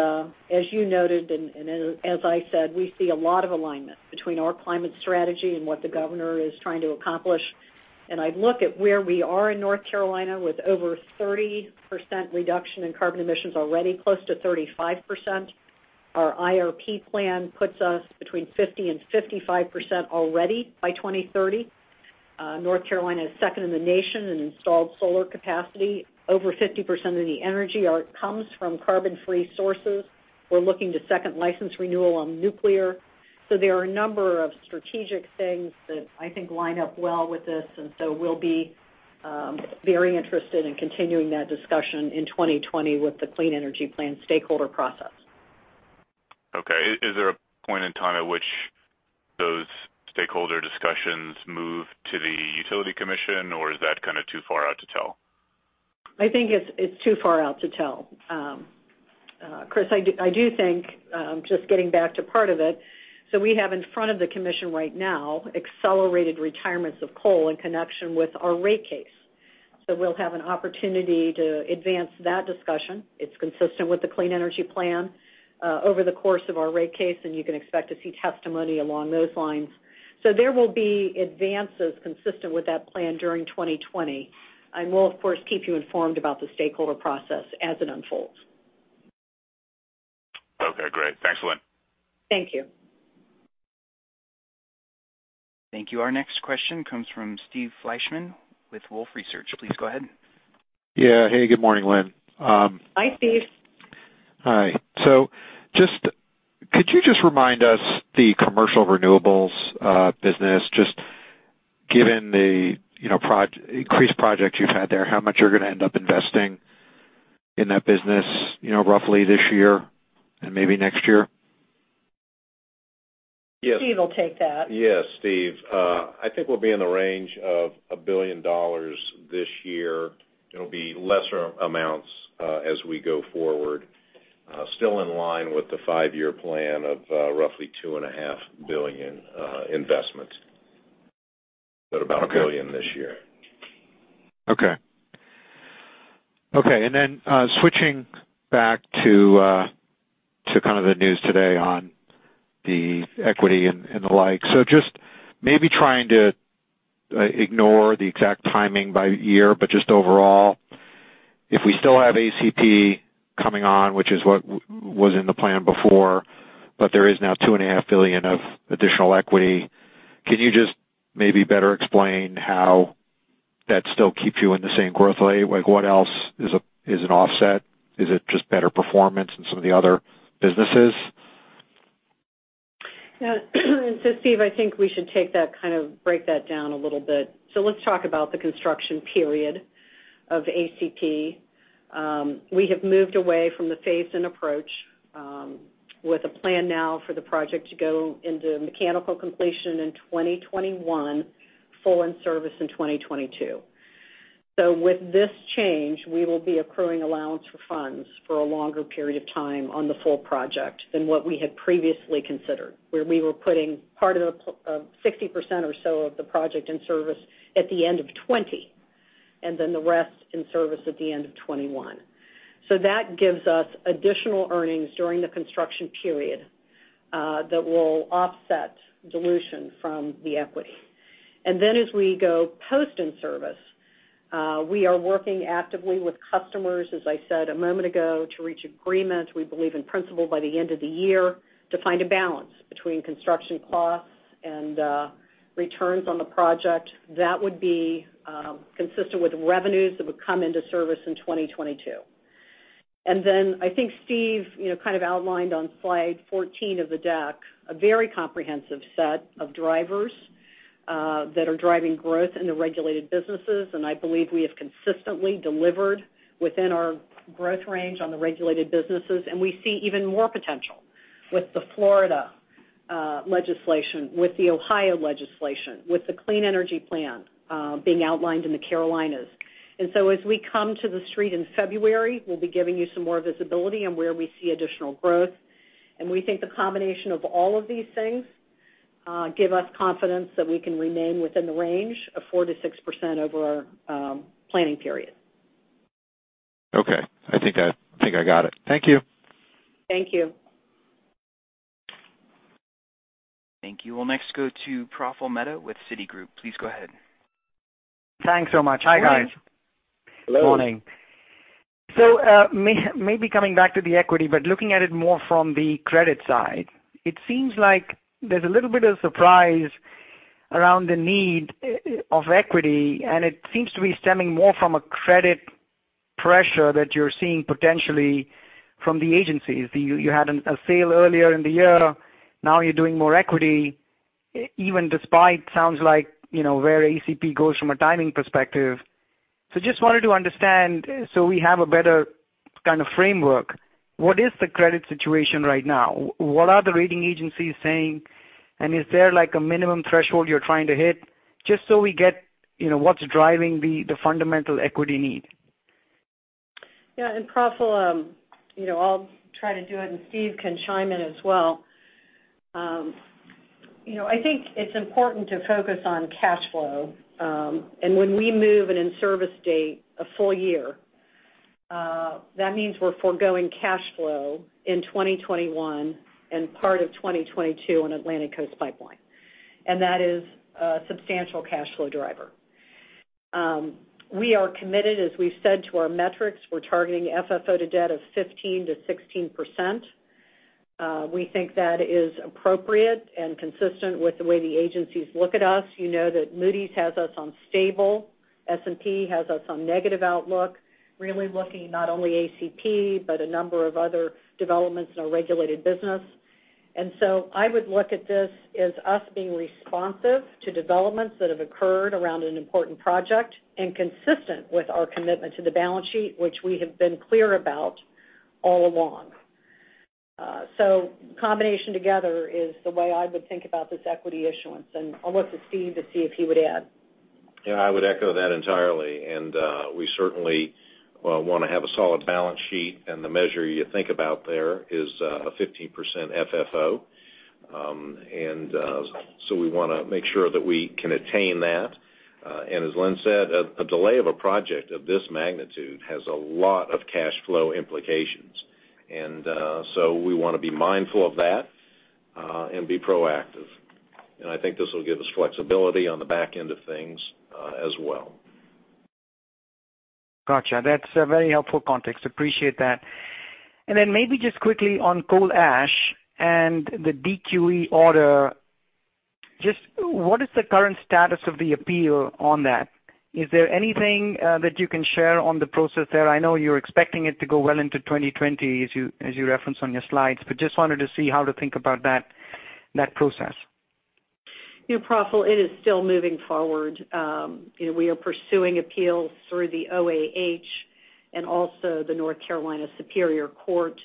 as you noted, and as I said, we see a lot of alignment between our climate strategy and what the governor is trying to accomplish. I look at where we are in North Carolina with over 30% reduction in carbon emissions already, close to 35%. Our IRP plan puts us between 50% and 55% already by 2030. North Carolina is second in the nation in installed solar capacity. Over 50% of the energy comes from carbon-free sources. We're looking to second license renewal on nuclear. There are a number of strategic things that I think line up well with this, and so we'll be very interested in continuing that discussion in 2020 with the Clean Energy Plan stakeholder process. Okay. Is there a point in time at which those stakeholder discussions move to the Utilities Commission, or is that kind of too far out to tell? I think it's too far out to tell. Chris, I do think, just getting back to part of it, we have in front of the commission right now accelerated retirements of coal in connection with our rate case. We'll have an opportunity to advance that discussion. It's consistent with the Clean Energy Plan, over the course of our rate case, you can expect to see testimony along those lines. There will be advances consistent with that plan during 2020, we'll of course, keep you informed about the stakeholder process as it unfolds. Okay, great. Thanks, Lynn. Thank you. Thank you. Our next question comes from Steve Fleishman with Wolfe Research. Please go ahead. Yeah. Hey, good morning, Lynn. Hi, Steve. Hi. Just could you just remind us the commercial renewables business, just given the increased projects you've had there, how much you're going to end up investing in that business roughly this year and maybe next year? Steve will take that. Yes, Steve. I think we'll be in the range of $1 billion this year. It'll be lesser amounts as we go forward. Still in line with the five-year plan of roughly $2.5 billion investments. About $1 billion this year. Okay. Switching back to kind of the news today on the equity and the like. Just maybe trying to ignore the exact timing by year, but just overall, if we still have ACP coming on, which is what was in the plan before, but there is now two and a half billion of additional equity. Can you just maybe better explain how that still keeps you in the same growth rate? What else is an offset? Is it just better performance in some of the other businesses? Yeah Steve Fleishman, I think we should take that, kind of break that down a little bit. Let's talk about the construction period of ACP. We have moved away from the phase and approach, with a plan now for the project to go into mechanical completion in 2021, full in service in 2022. With this change, we will be accruing allowance for funds for a longer period of time on the full project than what we had previously considered, where we were putting 60% or so of the project in service at the end of 2020, and then the rest in service at the end of 2021. That gives us additional earnings during the construction period, that will offset dilution from the equity. As we go post in service, we are working actively with customers, as I said a moment ago, to reach agreement, we believe in principle by the end of the year, to find a balance between construction costs and returns on the project that would be consistent with revenues that would come into service in 2022. I think Steve kind of outlined on slide 14 of the deck a very comprehensive set of drivers that are driving growth in the regulated businesses. I believe we have consistently delivered within our growth range on the regulated businesses, and we see even more potential with the Florida legislation, with the Ohio legislation, with the Clean Energy Plan being outlined in the Carolinas. As we come to the street in February, we'll be giving you some more visibility on where we see additional growth. We think the combination of all of these things give us confidence that we can remain within the range of 4%-6% over our planning period. Okay. I think I got it. Thank you. Thank you. Thank you. We'll next go to Praful Mehta with Citigroup. Please go ahead. Thanks so much. Hi, guys. Morning. Hello. Morning. Maybe coming back to the equity, but looking at it more from the credit side, it seems like there's a little bit of surprise around the need of equity, and it seems to be stemming more from a credit pressure that you're seeing potentially from the agencies. You had a sale earlier in the year. You're doing more equity, even despite sounds like where ACP goes from a timing perspective. Just wanted to understand, so we have a better kind of framework, what is the credit situation right now? What are the rating agencies saying? Is there like a minimum threshold you're trying to hit? Just so we get what's driving the fundamental equity need. Yeah. Praful, I'll try to do it, and Steve can chime in as well. I think it's important to focus on cash flow. When we move an in-service date a full year, that means we're foregoing cash flow in 2021 and part of 2022 on Atlantic Coast Pipeline. That is a substantial cash flow driver. We are committed, as we've said to our metrics, we're targeting FFO to debt of 15%-16%. We think that is appropriate and consistent with the way the agencies look at us. You know that Moody's has us on stable. S&P has us on negative outlook, really looking not only ACP, but a number of other developments in our regulated business. I would look at this as us being responsive to developments that have occurred around an important project and consistent with our commitment to the balance sheet, which we have been clear about all along. Combination together is the way I would think about this equity issuance, and I'll look to Steve to see if he would add. Yeah, I would echo that entirely, and we certainly want to have a solid balance sheet. The measure you think about there is a 15% FFO. We want to make sure that we can attain that. As Lynn said, a delay of a project of this magnitude has a lot of cash flow implications. We want to be mindful of that, and be proactive. I think this will give us flexibility on the back end of things as well. Got you. That's a very helpful context. Appreciate that. Maybe just quickly on coal ash and the DEQ order, just what is the current status of the appeal on that? Is there anything that you can share on the process there? I know you're expecting it to go well into 2020 as you referenced on your slides, just wanted to see how to think about that process. Praful, it is still moving forward. We are pursuing appeals through the OAH and also the North Carolina Superior Court.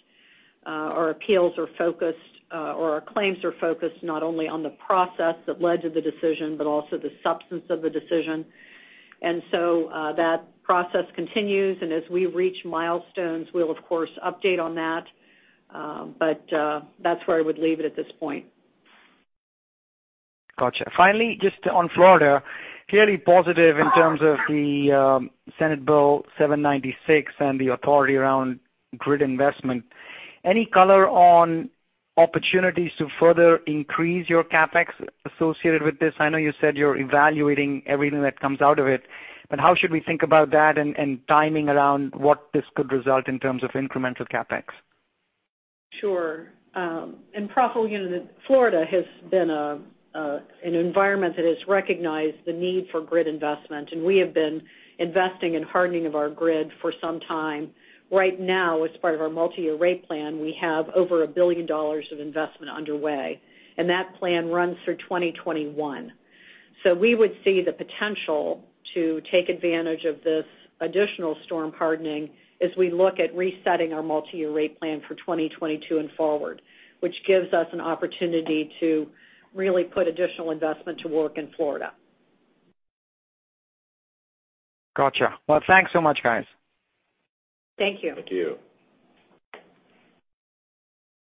Our appeals are focused, or our claims are focused not only on the process that led to the decision, but also the substance of the decision. That process continues, and as we reach milestones, we'll of course update on that. That's where I would leave it at this point. Got you. Finally, just on Florida, clearly positive in terms of the Senate Bill 796 and the authority around grid investment. Any color on opportunities to further increase your CapEx associated with this? I know you said you're evaluating everything that comes out of it, how should we think about that and timing around what this could result in terms of incremental CapEx? Sure. Praful, Florida has been an environment that has recognized the need for grid investment, and we have been investing in hardening of our grid for some time. Right now, as part of our multi-year rate plan, we have over $1 billion of investment underway, and that plan runs through 2021. We would see the potential to take advantage of this additional storm hardening as we look at resetting our multi-year rate plan for 2022 and forward, which gives us an opportunity to really put additional investment to work in Florida. Got you. Well, thanks so much, guys. Thank you. Thank you.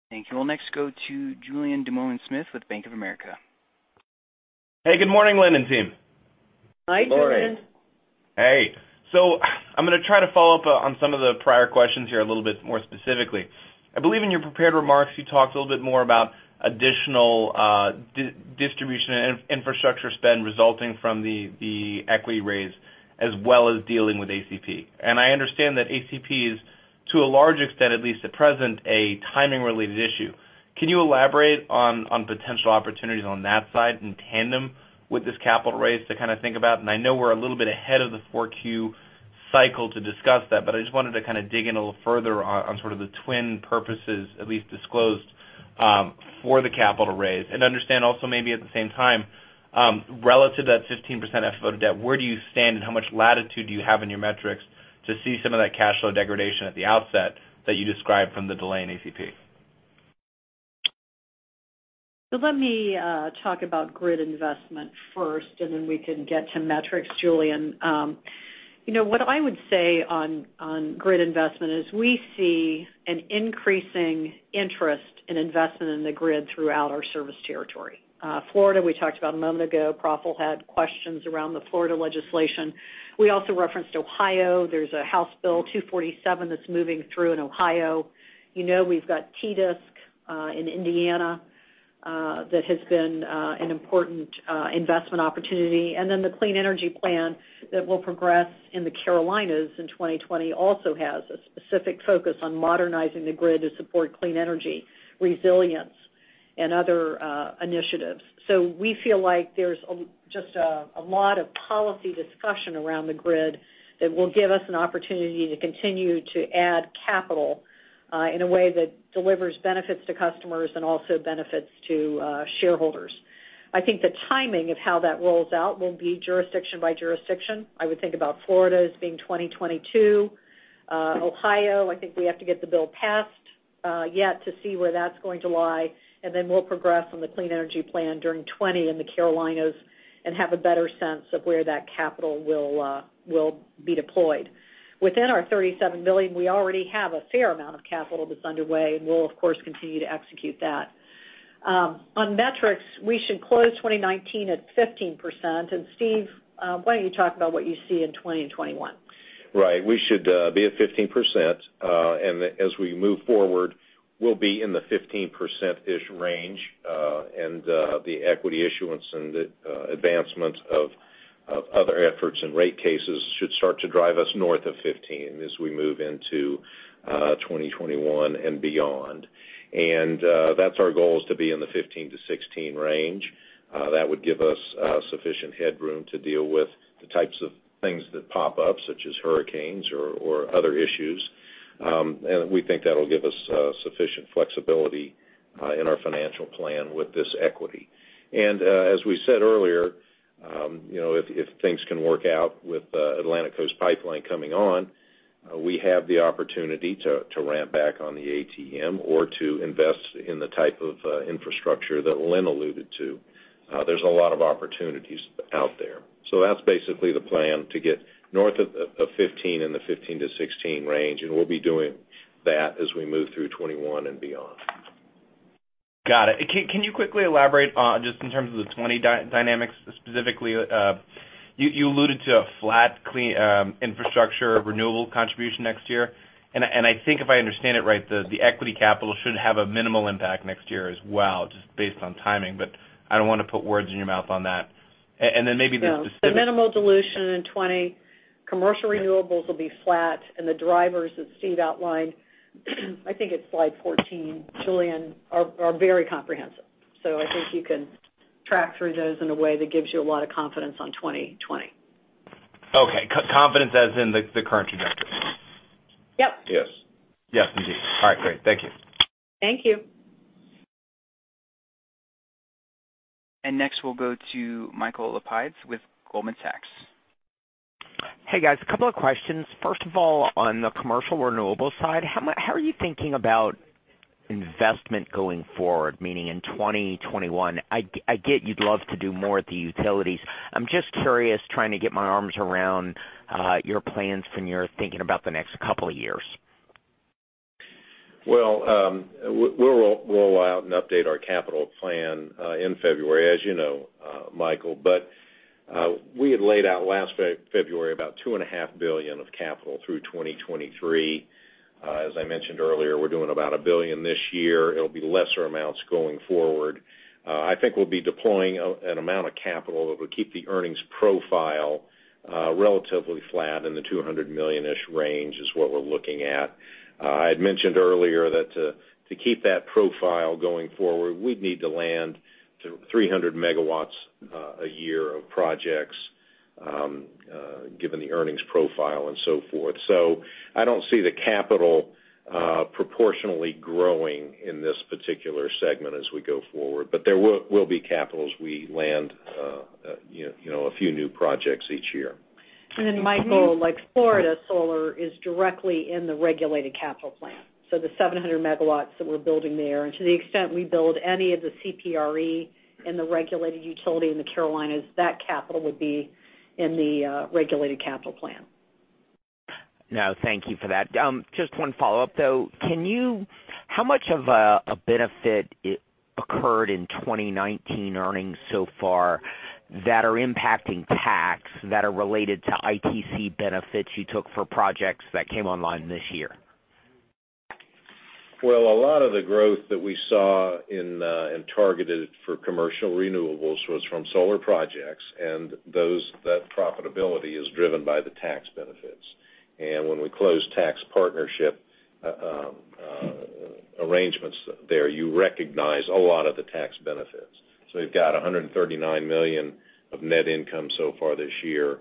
Thank you. We'll next go to Julien Dumoulin-Smith with Bank of America. Hey, good morning, Lynn and team. Hi, Julien. Morning. Hey. I'm going to try to follow up on some of the prior questions here a little bit more specifically. I believe in your prepared remarks, you talked a little bit more about additional distribution and infrastructure spend resulting from the equity raise, as well as dealing with ACP. I understand that ACP is, to a large extent, at least at present, a timing-related issue. Can you elaborate on potential opportunities on that side in tandem with this capital raise to kind of think about, and I know we're a little bit ahead of the 4Q cycle to discuss that, but I just wanted to kind of dig in a little further on sort of the twin purposes, at least disclosed, for the capital raise. Understand also maybe at the same time, relative to that 15% FFO to debt, where do you stand and how much latitude do you have in your metrics to see some of that cash flow degradation at the outset that you described from the delay in ACP? Let me talk about grid investment first, and then we can get to metrics, Julien. What I would say on grid investment is we see an increasing interest in investment in the grid throughout our service territory. Florida, we talked about a moment ago, Praful had questions around the Florida legislation. We also referenced Ohio. There's a House Bill 247 that's moving through in Ohio. We've got TDSIC in Indiana that has been an important investment opportunity. The Clean Energy Plan that will progress in the Carolinas in 2020 also has a specific focus on modernizing the grid to support clean energy, resilience, and other initiatives. We feel like there's just a lot of policy discussion around the grid that will give us an opportunity to continue to add capital in a way that delivers benefits to customers and also benefits to shareholders. I think the timing of how that rolls out will be jurisdiction by jurisdiction. I would think about Florida as being 2022. Ohio, I think we have to get the bill passed yet to see where that's going to lie, and then we'll progress on the Clean Energy Plan during 2020 in the Carolinas and have a better sense of where that capital will be deployed. Within our $37 billion, we already have a fair amount of capital that's underway, and we'll of course continue to execute that. On metrics, we should close 2019 at 15%, and Steve, why don't you talk about what you see in 2020 and 2021? Right. We should be at 15%. As we move forward, we'll be in the 15%-ish range. The equity issuance and the advancement of other efforts and rate cases should start to drive us north of 15 as we move into 2021 and beyond. That's our goal is to be in the 15-16 range. That would give us sufficient headroom to deal with the types of things that pop up, such as hurricanes or other issues. We think that'll give us sufficient flexibility in our financial plan with this equity. As we said earlier, if things can work out with Atlantic Coast Pipeline coming on, we have the opportunity to ramp back on the ATM or to invest in the type of infrastructure that Lynn alluded to. There's a lot of opportunities out there. That's basically the plan, to get north of 15, in the 15 to 16 range, and we'll be doing that as we move through 2021 and beyond. Got it. Can you quickly elaborate on, just in terms of the 2020 dynamics specifically, you alluded to a flat clean infrastructure renewable contribution next year, and I think if I understand it right, the equity capital should have a minimal impact next year as well, just based on timing, but I don't want to put words in your mouth on that. No. The minimal dilution in 2020, commercial renewables will be flat, and the drivers that Steve outlined, I think it's slide 14, Julien, are very comprehensive. I think you can track through those in a way that gives you a lot of confidence on 2020. Okay. Confidence as in the current trajectory? Yep. Yes. Yes, indeed. All right, great. Thank you. Thank you. Next we'll go to Michael Lapides with Goldman Sachs. Hey, guys. A couple of questions. First of all, on the commercial renewables side, how are you thinking about investment going forward, meaning in 2021? I get you'd love to do more at the utilities. I'm just curious, trying to get my arms around your plans when you're thinking about the next couple of years. Well, we'll roll out and update our capital plan in February, as you know, Michael. We had laid out last February about $2.5 billion of capital through 2023. As I mentioned earlier, we're doing about $1 billion this year. It'll be lesser amounts going forward. I think we'll be deploying an amount of capital that would keep the earnings profile relatively flat in the $200 million-ish range is what we're looking at. I had mentioned earlier that to keep that profile going forward, we'd need to land 300 megawatts a year of projects, given the earnings profile and so forth. I don't see the capital proportionally growing in this particular segment as we go forward, but there will be capital as we land a few new projects each year. Michael, like Florida Solar is directly in the regulated capital plan, so the 700 megawatts that we're building there, and to the extent we build any of the CPRE in the regulated utility in the Carolinas, that capital would be in the regulated capital plan. No, thank you for that. Just one follow-up, though. How much of a benefit occurred in 2019 earnings so far that are impacting tax that are related to ITC benefits you took for projects that came online this year? Well, a lot of the growth that we saw and targeted for commercial renewables was from solar projects, and that profitability is driven by the tax benefits. When we close tax partnership arrangements there, you recognize a lot of the tax benefits. We've got $139 million of net income so far this year.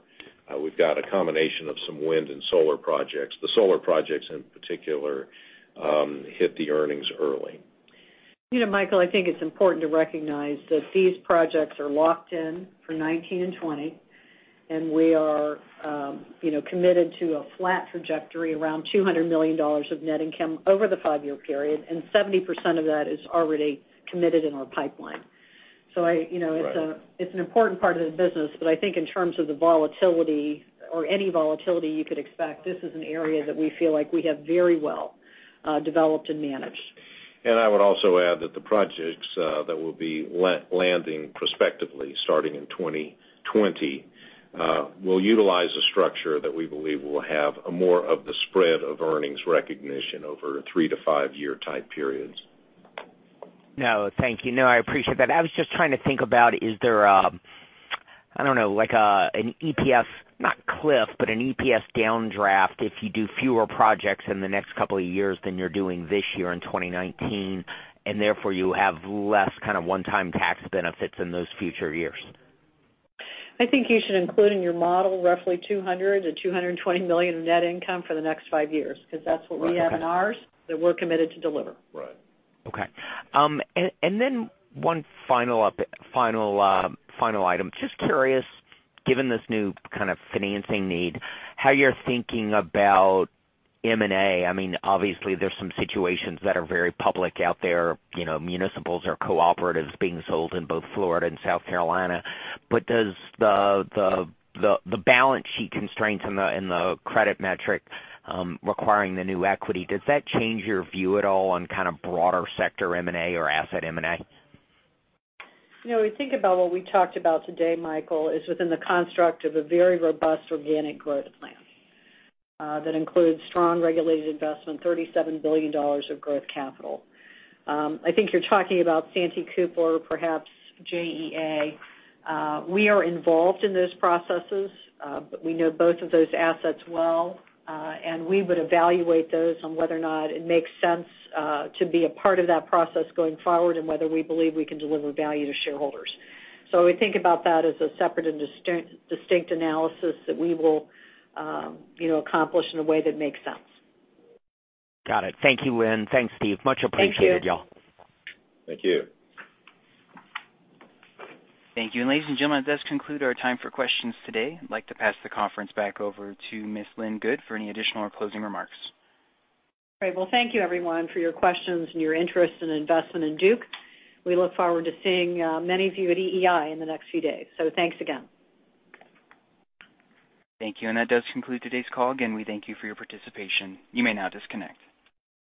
We've got a combination of some wind and solar projects. The solar projects in particular hit the earnings early. Michael, I think it's important Is that these projects are locked in for 2019 and 2020. We are committed to a flat trajectory around $200 million of net income over the five-year period. 70% of that is already committed in our pipeline. It's an important part of the business, but I think in terms of the volatility or any volatility you could expect, this is an area that we feel like we have very well developed and managed. I would also add that the projects that will be landing prospectively starting in 2020, will utilize a structure that we believe will have more of the spread of earnings recognition over three to five-year type periods. No, thank you. No, I appreciate that. I was just trying to think about, is there, I don't know, like an EPS, not cliff, but an EPS downdraft if you do fewer projects in the next couple of years than you're doing this year in 2019, and therefore you have less one-time tax benefits in those future years? I think you should include in your model roughly $200 million-$220 million in net income for the next five years, because that's what we have in ours that we're committed to deliver. Right. Okay. One final item. Just curious, given this new kind of financing need, how you're thinking about M&A. Obviously, there's some situations that are very public out there, municipals or cooperatives being sold in both Florida and South Carolina. Does the balance sheet constraints and the credit metric requiring the new equity, does that change your view at all on kind of broader sector M&A or asset M&A? We think about what we talked about today, Michael, is within the construct of a very robust organic growth plan that includes strong regulated investment, $37 billion of growth capital. I think you're talking about Santee Cooper or perhaps JEA. We are involved in those processes, but we know both of those assets well, and we would evaluate those on whether or not it makes sense to be a part of that process going forward and whether we believe we can deliver value to shareholders. We think about that as a separate and distinct analysis that we will accomplish in a way that makes sense. Got it. Thank you, Lynn. Thanks, Steve. Much appreciated, y'all. Thank you. Thank you. Thank you. Ladies and gentlemen, that does conclude our time for questions today. I'd like to pass the conference back over to Ms. Lynn Good for any additional or closing remarks. Great. Well, thank you everyone for your questions and your interest and investment in Duke. We look forward to seeing many of you at EEI in the next few days. Thanks again. Thank you. That does conclude today's call. Again, we thank you for your participation. You may now disconnect.